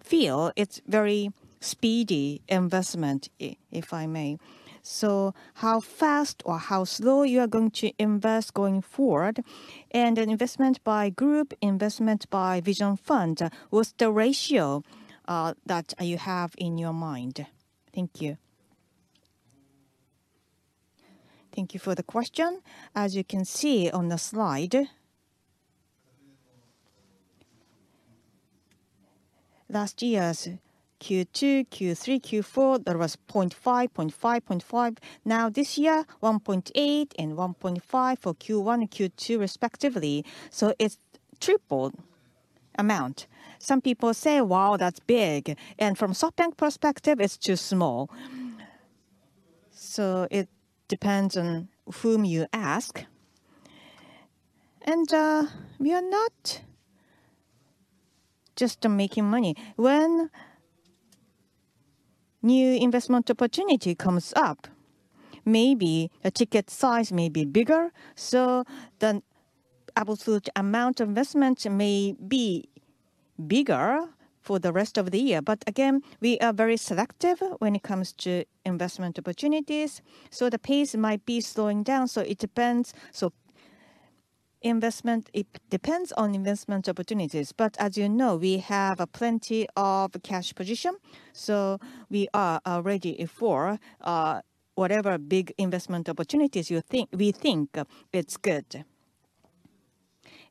feel it's very speedy investment, I, if I may. So how fast or how slow you are going to invest going forward? And an investment by group, investment by Vision Fund, what's the ratio, that you have in your mind? Thank you. Thank you for the question. As you can see on the slide, last year's Q2, Q3, Q4, that was $0.5 million, $0.5 million, $0.5 million. Now, this year, $1.8 million and $1.5 million for Q1 and Q2 respectively, so it's tripled amount. Some people say, "Wow, that's big!" And from SoftBank perspective, it's too small. So it depends on whom you ask. And we are not just making money. When new investment opportunity comes up, maybe a ticket size may be bigger, so the absolute amount investment may be bigger for the rest of the year. But again, we are very selective when it comes to investment opportunities, so the pace might be slowing down, so it depends. So investment, it depends on investment opportunities, but as you know, we have plenty of cash position, so we are ready for whatever big investment opportunities you think, we think it's good.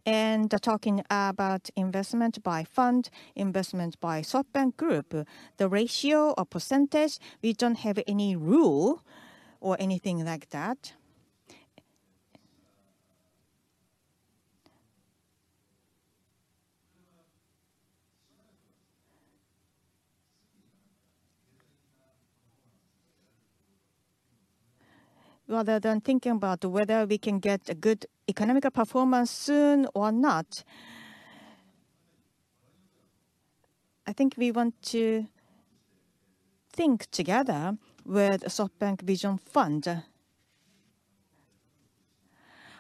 And talking about investment by fund, investment by SoftBank Group, the ratio or percentage, we don't have any rule or anything like that. Rather than thinking about whether we can get a good economical performance soon or not, I think we want to think together with SoftBank Vision Fund.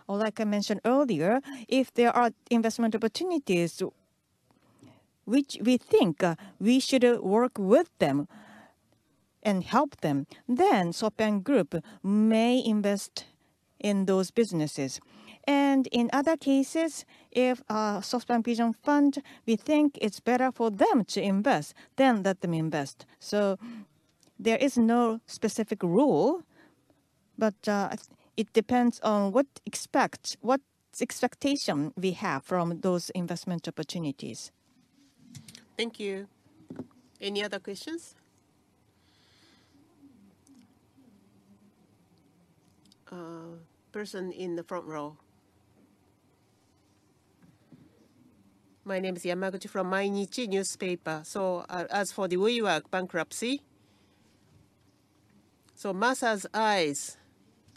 Or like I mentioned earlier, if there are investment opportunities which we think we should work with them and help them, then SoftBank Group may invest in those businesses. And in other cases, if SoftBank Vision Fund we think it's better for them to invest, then let them invest. So there is no specific rule, but it depends on what expect, what expectation we have from those investment opportunities. Thank you. Any other questions? Person in the front row. My name is Yamaguchi from Mainichi Newspaper. So, as for the WeWork bankruptcy, so Masa's eyes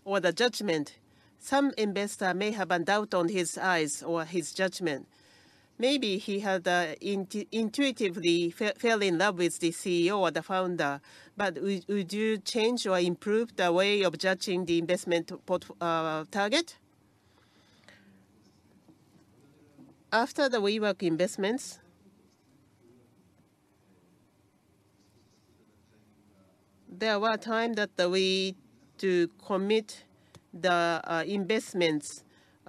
or the judgment, some investor may have a doubt on his eyes or his judgment. Maybe he had intuitively fell in love with the CEO or the founder, but would you change or improve the way of judging the investment port target? After the WeWork investments, there was a time that we had to commit the investments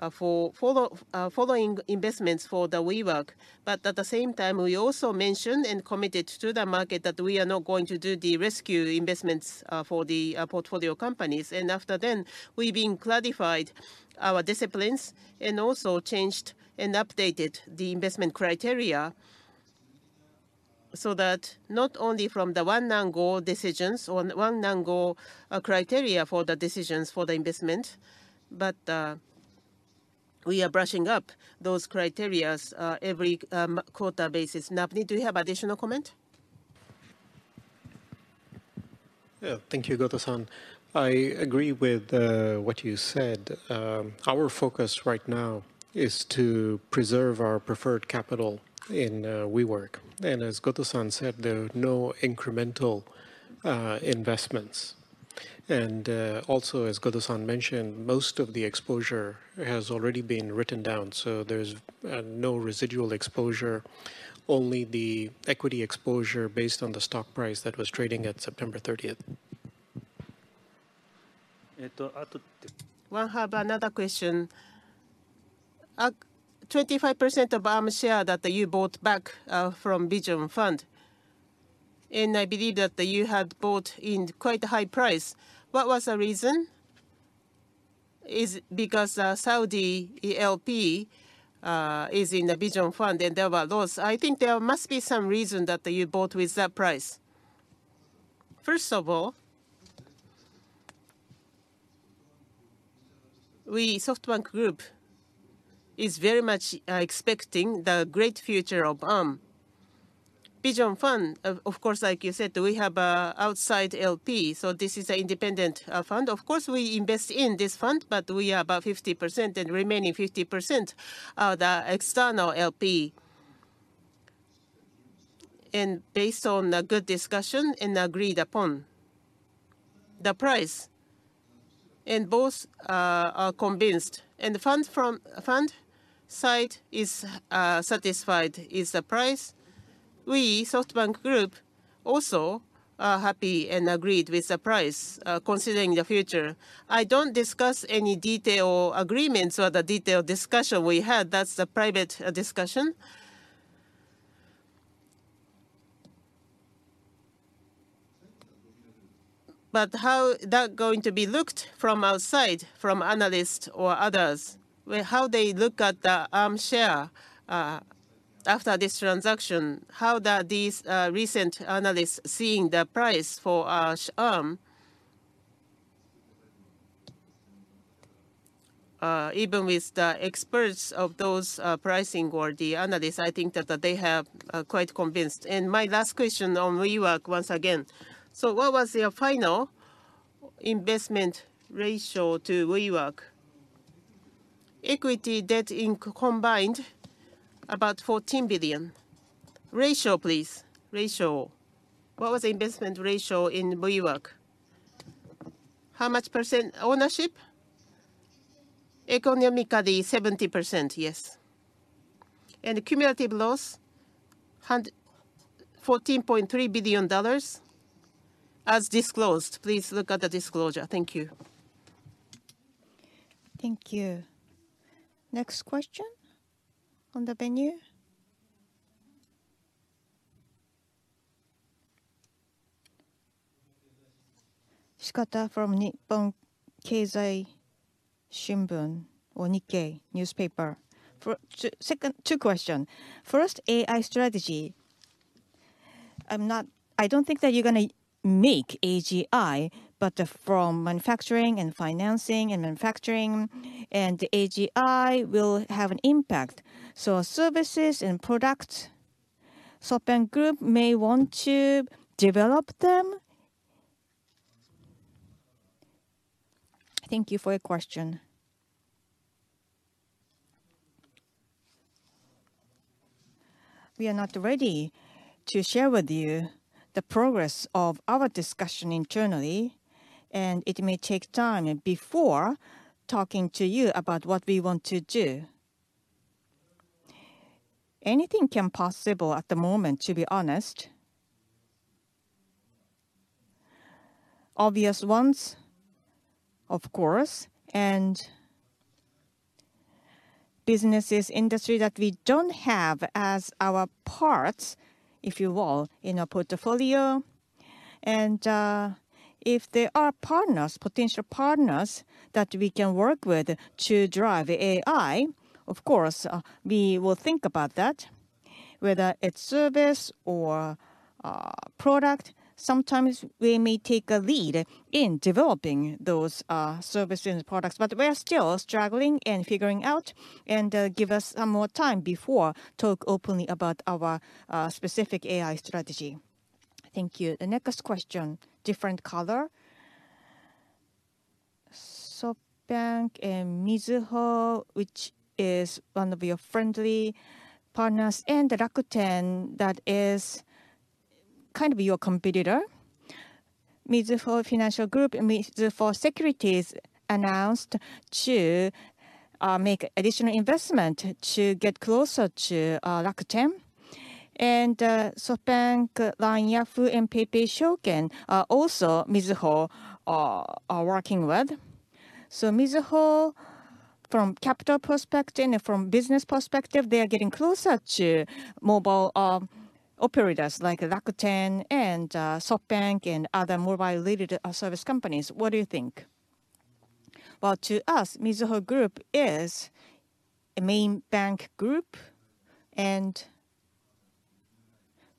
for follow-on following investments for the WeWork. But at the same time, we also mentioned and committed to the market that we are not going to do the rescue investments for the portfolio companies. And after then, we've clarified our disciplines and also changed and updated the investment criteria, so that not only from the one angle decisions or one angle criteria for the decisions for the investment, but we are brushing up those criteria every quarter basis. Navneet, do you have additional comment? Thank you, Goto-san. I agree with what you said. Our focus right now is to preserve our preferred capital in WeWork. As Goto-san said, there are no incremental investments. Also, as Goto-san mentioned, most of the exposure has already been written down, so there's no residual exposure, only the equity exposure based on the stock price that was trading at September thirtieth. Well, I have another question. 25% of Arm share that you bought back from Vision Fund, and I believe that you had bought in quite a high price. What was the reason? Is it because Saudi PIF is in the Vision Fund and there were laws? I think there must be some reason that you bought with that price. First of all- We, SoftBank Group, is very much expecting the great future of Arm. Vision Fund, of course, like you said, we have outside LP, so this is an independent fund. Of course, we invest in this fund, but we are about 50%, and remaining 50% are the external LP. And based on a good discussion and agreed upon the price, and both are convinced, and the fund side is satisfied with the price. We, SoftBank Group, also are happy and agreed with the price, considering the future. I don't discuss any detail or agreements or the detailed discussion we had, that's a private discussion. But how that going to be looked from outside, from analysts or others, well, how they look at the Arm share after this transaction? How do these recent analysts see the price for Arm? Even with the estimates of those pricing or the analysts, I think that they have quite convinced. My last question on WeWork once again. So what was your final investment ratio to WeWork? Equity, debt, inc combined, about $14 billion. Ratio, please. Ratio. What was the investment ratio in WeWork? How much percent ownership? Economically, 70%, yes. And cumulative loss, $14.3 billion, as disclosed. Please look at the disclosure. Thank you. Thank you. Next question on the venue. Shikata from Nihon Keizai Shimbun or Nikkei newspaper. For 2 questions. First, AI strategy. I don't think that you're gonna make AGI, but from manufacturing and financing and manufacturing, and AGI will have an impact. So services and products, SoftBank Group may want to develop them? Thank you for your question. We are not ready to share with you the progress of our discussion internally, and it may take time before talking to you about what we want to do. Anything is possible at the moment, to be honest. Obvious ones, of course, and businesses, industry that we don't have as our parts, if you will, in our portfolio. And if there are partners, potential partners that we can work with to drive AI, of course, we will think about that, whether it's service or product. Sometimes we may take a lead in developing those, services and products, but we are still struggling and figuring out, and give us some more time before talk openly about our specific AI strategy. Thank you. The next question, different color. SoftBank and Mizuho, which is one of your friendly partners, and Rakuten, that is kind of your competitor. Mizuho Financial Group and Mizuho Securities announced to make additional investment to get closer to Rakuten. And SoftBank LINE Yahoo and PayPay Shoken also Mizuho are working with. So Mizuho, from capital perspective and from business perspective, they are getting closer to mobile operators like Rakuten and SoftBank, and other mobile-related service companies. What do you think? Well, to us, Mizuho Group is a main bank group, and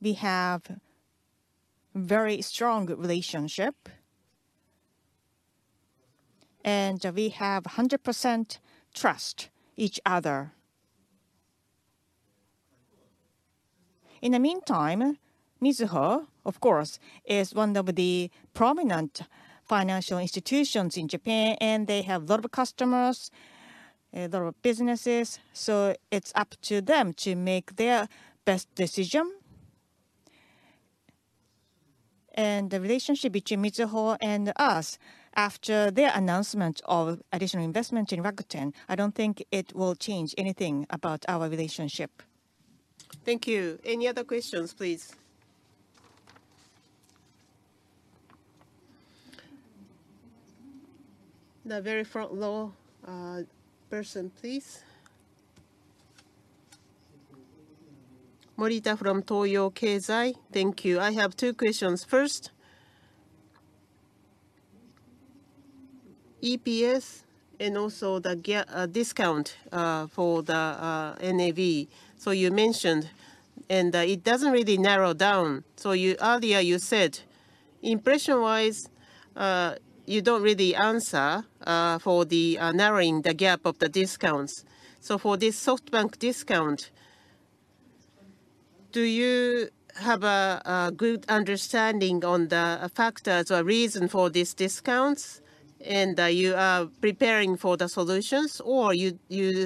we have very strong relationship, and we have 100% trust each other. In the meantime, Mizuho, of course, is one of the prominent financial institutions in Japan, and they have a lot of customers, a lot of businesses, so it's up to them to make their best decision. And the relationship between Mizuho and us, after their announcement of additional investment in Rakuten, I don't think it will change anything about our relationship. Thank you. Any other questions, please? The very front row, person, please. Morita from Toyo Keizai. Thank you. I have two questions. First, EPS and also the gap discount for the NAV. So you mentioned and it doesn't really narrow down. So you, earlier you said, impression-wise, you don't really answer for the narrowing the gap of the discounts. So for this SoftBank discount, do you have a good understanding on the factors or reason for these discounts, and you are preparing for the solutions, or you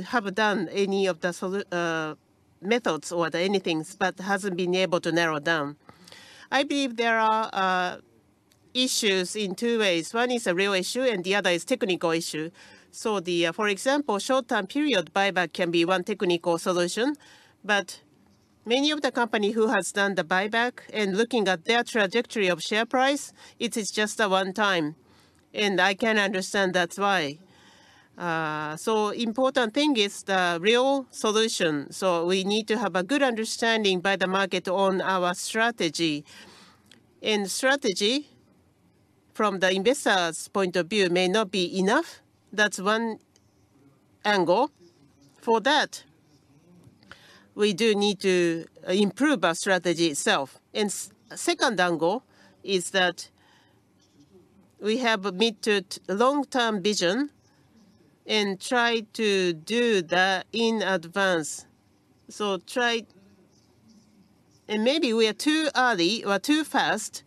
have done any of the solutions methods or the anything, but hasn't been able to narrow down? I believe there are issues in two ways. One is a real issue, and the other is technical issue. So the, for example, short-term period buyback can be one technical solution, but many of the company who has done the buyback and looking at their trajectory of share price, it is just a one time, and I can understand that's why. So important thing is the real solution. So we need to have a good understanding by the market on our strategy. And strategy from the investor's point of view may not be enough. That's one angle. For that, we do need to, improve our strategy itself. And second angle is that we have admitted to long-term vision and try to do that in advance. And maybe we are too early or too fast,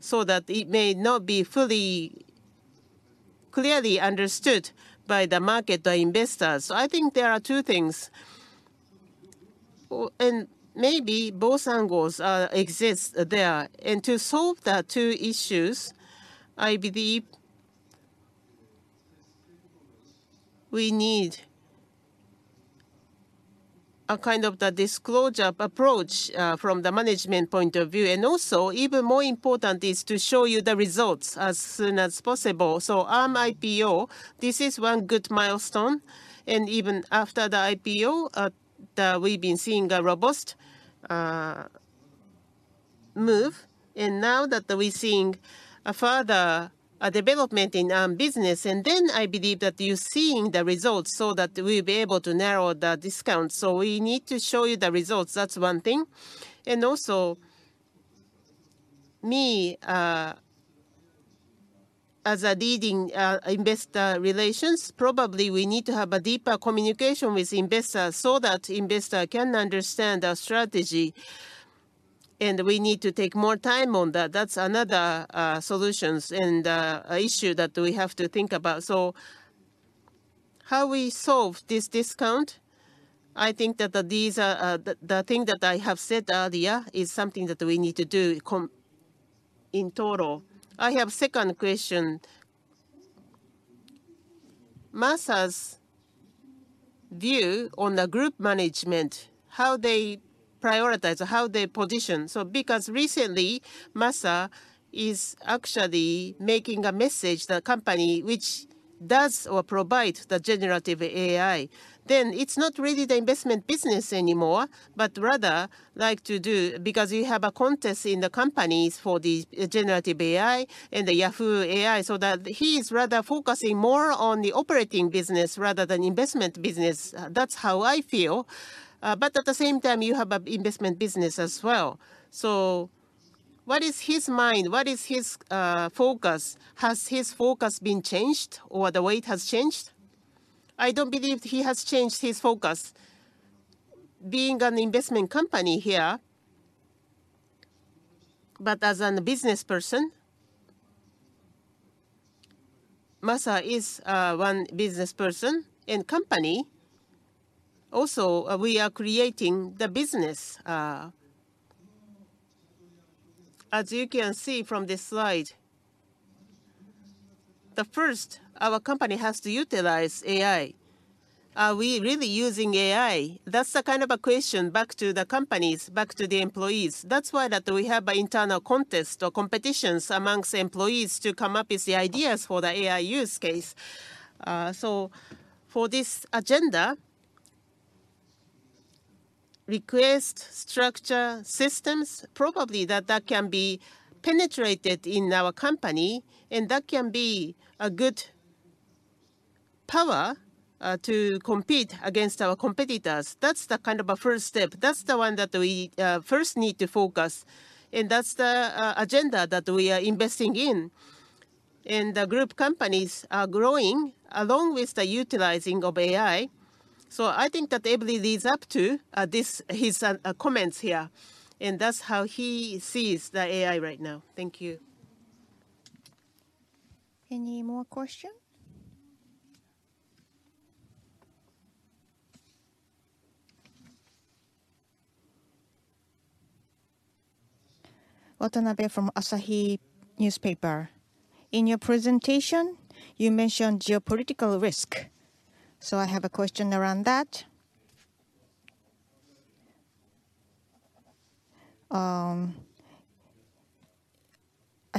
so that it may not be fully clearly understood by the market, the investors. So I think there are two things. Oh, and maybe both angles, exist there. To solve the two issues, I believe we need a kind of the disclosure approach, from the management point of view, and also even more important is to show you the results as soon as possible. So Arm IPO, this is one good milestone, and even after the IPO, we've been seeing a robust move, and now that we're seeing a further development in business. And then I believe that you're seeing the results, so that we'll be able to narrow the discount. So we need to show you the results, that's one thing. And also, me, as a leading investor relations, probably we need to have a deeper communication with investors, so that investor can understand our strategy, and we need to take more time on that. That's another solutions and issue that we have to think about. So how we solve this discount, I think that the these are, the thing that I have said earlier is something that we need to do in total. I have second question. Masa's view on the group management, how they prioritize or how they position? So because recently, Masa is actually making a message, the company which does or provide the generative AI. Then it's not really the investment business anymore, but rather like to do, because you have a contest in the companies for the generative AI and the Yahoo AI. So that he is rather focusing more on the operating business rather than investment business. That's how I feel. But at the same time, you have a investment business as well. So what is his mind? What is his focus? Has his focus been changed or the weight has changed? I don't believe he has changed his focus. Being an investment company here, but as a business person, Masa is, one business person. And company also, we are creating the business. As you can see from this slide, the first, our company has to utilize AI. Are we really using AI? That's the kind of a question back to the companies, back to the employees. That's why that we have an internal contest or competitions amongst employees to come up with the ideas for the AI use case. So for this agenda, request structure systems, probably that that can be penetrated in our company, and that can be a good power, to compete against our competitors. That's the kind of a first step. That's the one that we, first need to focus, and that's the, agenda that we are investing in. And the group companies are growing along with the utilizing of AI. So I think that everybody leads up to, this, his, comments here, and that's how he sees the AI right now. Thank you. Any more questions? Watanabe from Asahi Newspaper. In your presentation, you mentioned geopolitical risk, so I have a question around that. I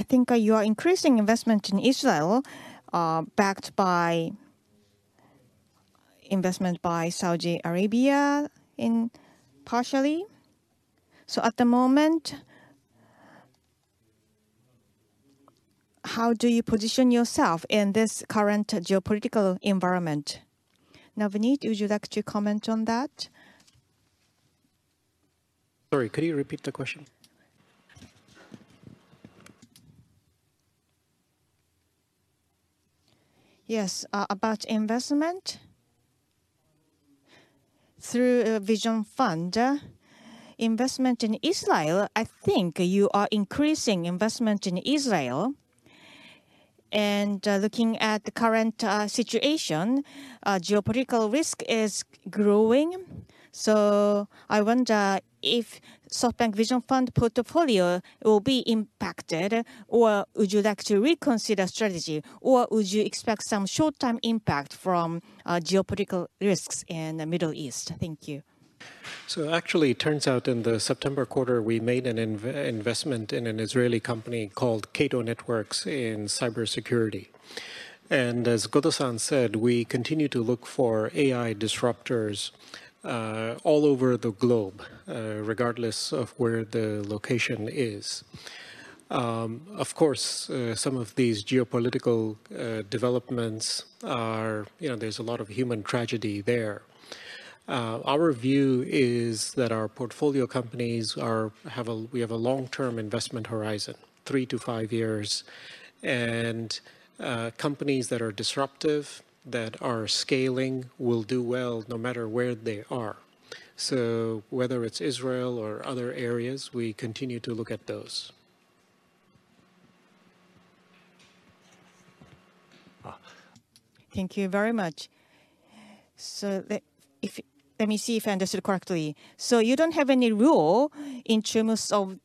think you are increasing investment in Israel, backed by investment by Saudi Arabia in partially. So at the moment, how do you position yourself in this current geopolitical environment? Now, Navneet, would you like to comment on that? Sorry, could you repeat the question? Yes, about investment through a Vision Fund. Investment in Israel, I think you are increasing investment in Israel. And, looking at the current situation, geopolitical risk is growing. So I wonder if SoftBank Vision Fund portfolio will be impacted, or would you like to reconsider strategy, or would you expect some short-term impact from geopolitical risks in the Middle East? Thank you. So actually, it turns out in the September quarter, we made an investment in an Israeli company called Cato Networks in cybersecurity. And as Goto-san said, we continue to look for AI disruptors all over the globe, regardless of where the location is. Of course, some of these geopolitical developments are... You know, there's a lot of human tragedy there. Our view is that our portfolio companies are, we have a long-term investment horizon, three to five years. And companies that are disruptive, that are scaling, will do well no matter where they are. So whether it's Israel or other areas, we continue to look at those. Thank you very much. So, let me see if I understood correctly. So you don't have any rule in terms of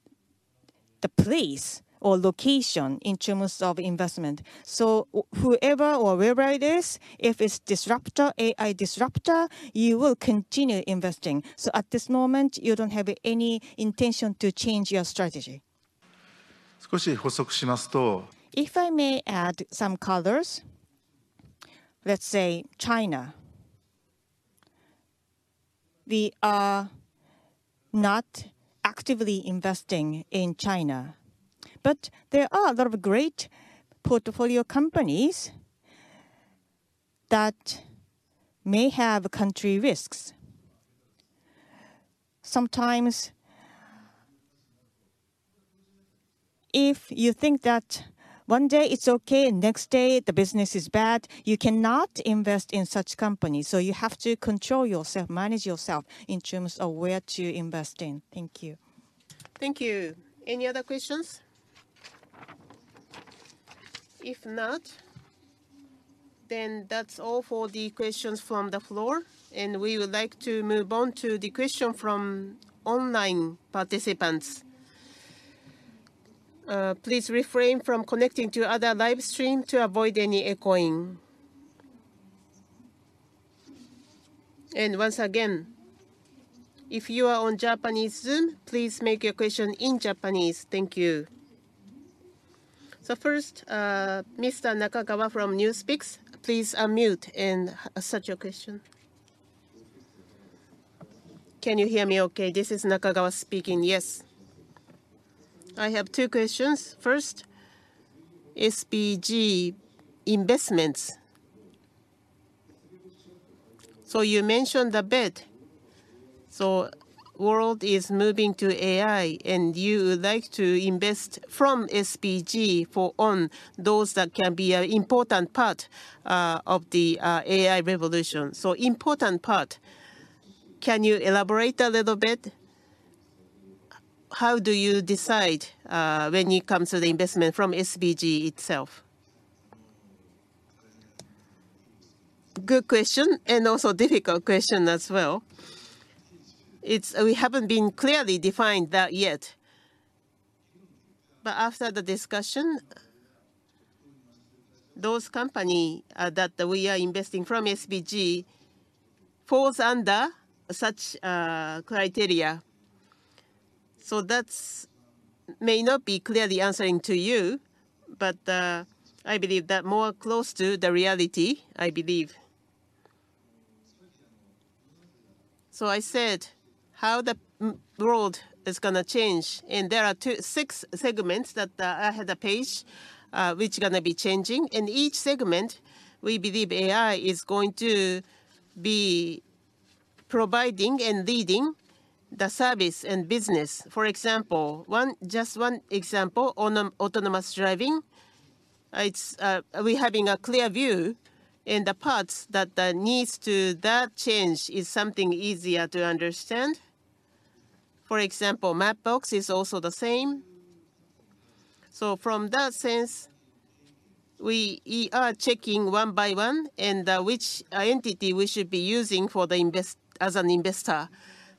the place or location, in terms of investment. So whoever or wherever it is, if it's disruptor, AI disruptor, you will continue investing. So at this moment, you don't have any intention to change your strategy? If I may add some colors. Let's say China. We are not actively investing in China, but there are a lot of great portfolio companies that may have country risks. Sometimes if you think that one day it's okay, next day the business is bad, you cannot invest in such companies. So you have to control yourself, manage yourself in terms of where to invest in. Thank you. Thank you. Any other questions? If not, then that's all for the questions from the floor, and we would like to move on to the question from online participants. Please refrain from connecting to other live stream to avoid any echoing. And once again, if you are on Japanese Zoom, please make your question in Japanese. Thank you. So first, Mr. Nakagawa from NewsPicks, please unmute and ask such your question. Can you hear me okay? This is Nakagawa speaking. Yes. I have two questions. First, SBG investments. So you mentioned a bit, so world is moving to AI, and you would like to invest from SBG for on those that can be an important part of the AI revolution. So important part, can you elaborate a little bit? How do you decide when it comes to the investment from SBG itself? Good question, and also difficult question as well. It's... We haven't been clearly defined that yet. But after the discussion, those company that we are investing from SBG falls under such criteria. So that's may not be clearly answering to you, but I believe that more close to the reality, I believe. So I said, how the world is gonna change, and there are two to six segments that, I had a page, which gonna be changing. And each segment, we believe AI is going to be providing and leading the service and business. For example, one, just one example, autonomous driving. It's, we're having a clear view in the parts that the needs to that change is something easier to understand. For example, Mapbox is also the same. So from that sense, we, we are checking one by one and, which, entity we should be using for the investment as an investor.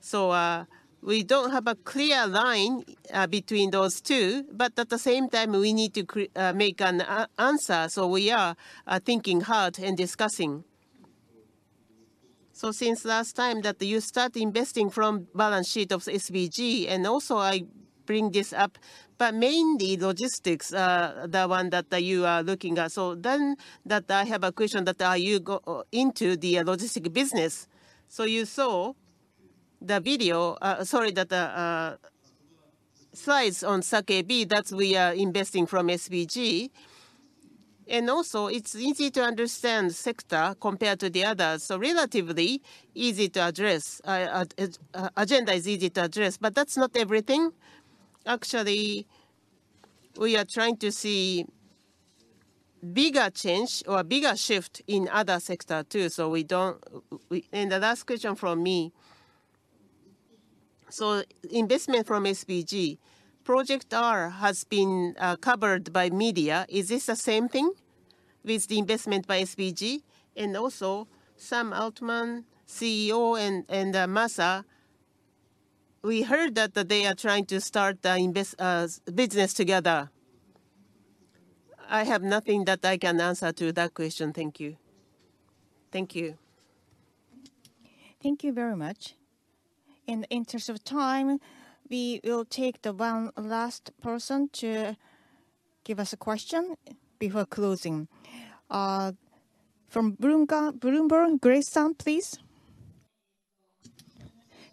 So, we don't have a clear line, between those two, but at the same time, we need to make an answer. So we are, thinking hard and discussing. So since last time that you start investing from balance sheet of SBG, and also I bring this up, but mainly logistics, the one that you are looking at. So then that I have a question that, are you go into the logistics business? So you saw the video, sorry, that slides on SB, that we are investing from SBG. And also it's easy to understand sector compared to the others. So relatively easy to address, agenda is easy to address, but that's not everything. Actually, we are trying to see bigger change or bigger shift in other sector too. And the last question from me, so investment from SBG, Project R has been covered by media. Is this the same thing with the investment by SBG? And also, Sam Altman, CEO, and Masa, we heard that they are trying to start invest business together. I have nothing that I can answer to that question. Thank you. Thank you. Thank you very much. In the interest of time, we will take the one last person to give us a question before closing. From Bloomberg, Grace Sun, please.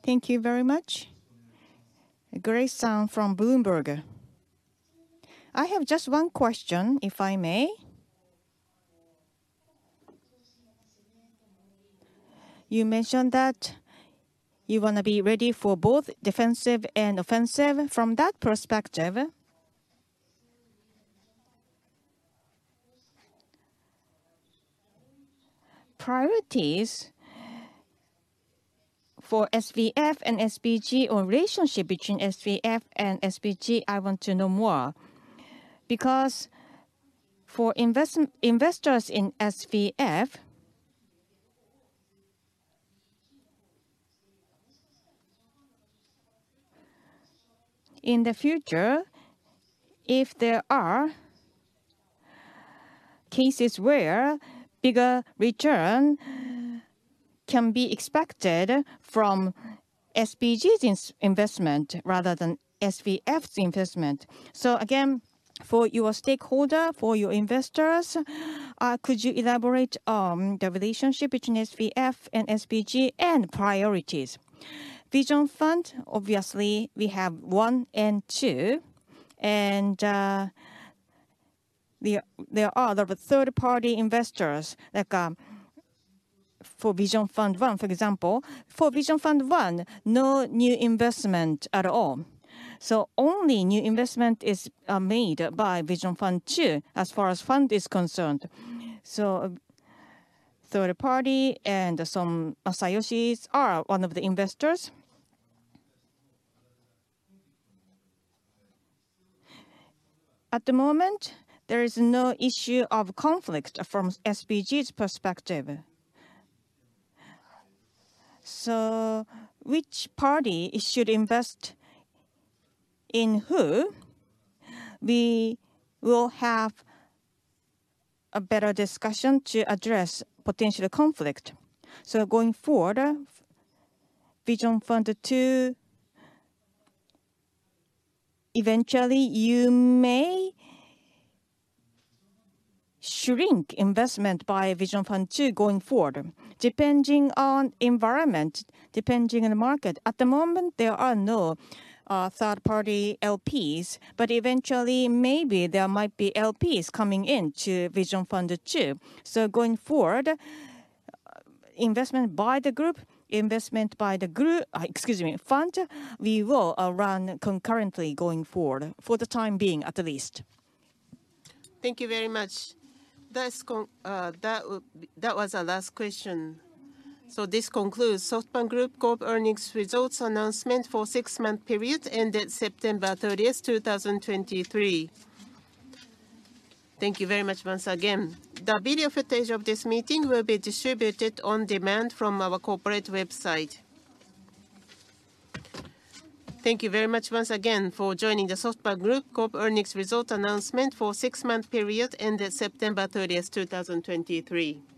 Thank you very much. Grace Sun from Bloomberg. I have just one question, if I may. You mentioned that you wanna be ready for both defensive and offensive. From that perspective, priorities for SVF and SBG, or relationship between SVF and SBG, I want to know more. Because for investors in SVF, in the future, if there are cases where bigger return can be expected from SBG's investment rather than SVF's investment. So again, for your stakeholder, for your investors, could you elaborate on the relationship between SVF and SBG, and priorities? Vision Fund, obviously, we have One and Two, and there are other third-party investors, like, for Vision Fund 1, for example. For Vision Fund 1, no new investment at all. So only new investment is made by Vision Fund 2, as far as fund is concerned. So third party and Masayoshi is are one of the investors. At the moment, there is no issue of conflict from SBG's perspective. So which party should invest in who? We will have a better discussion to address potential conflict. So going forward, Vision Fund 2, eventually, you may shrink investment by Vision Fund 2 going forward, depending on environment, depending on the market. At the moment, there are no third-party LPs, but eventually, maybe there might be LPs coming in to Vision Fund 2. So going forward, investment by the group, investment by the fund, we will run concurrently going forward, for the time being, at least. Thank you very much. That was our last question. This concludes SoftBank Group Corp. earnings results announcement for six-month period, ended September 30, 2023. Thank you very much once again. The video footage of this meeting will be distributed on demand from our corporate website. Thank you very much once again for joining the SoftBank Group Corp. earnings result announcement for six-month period ended September 30, 2023.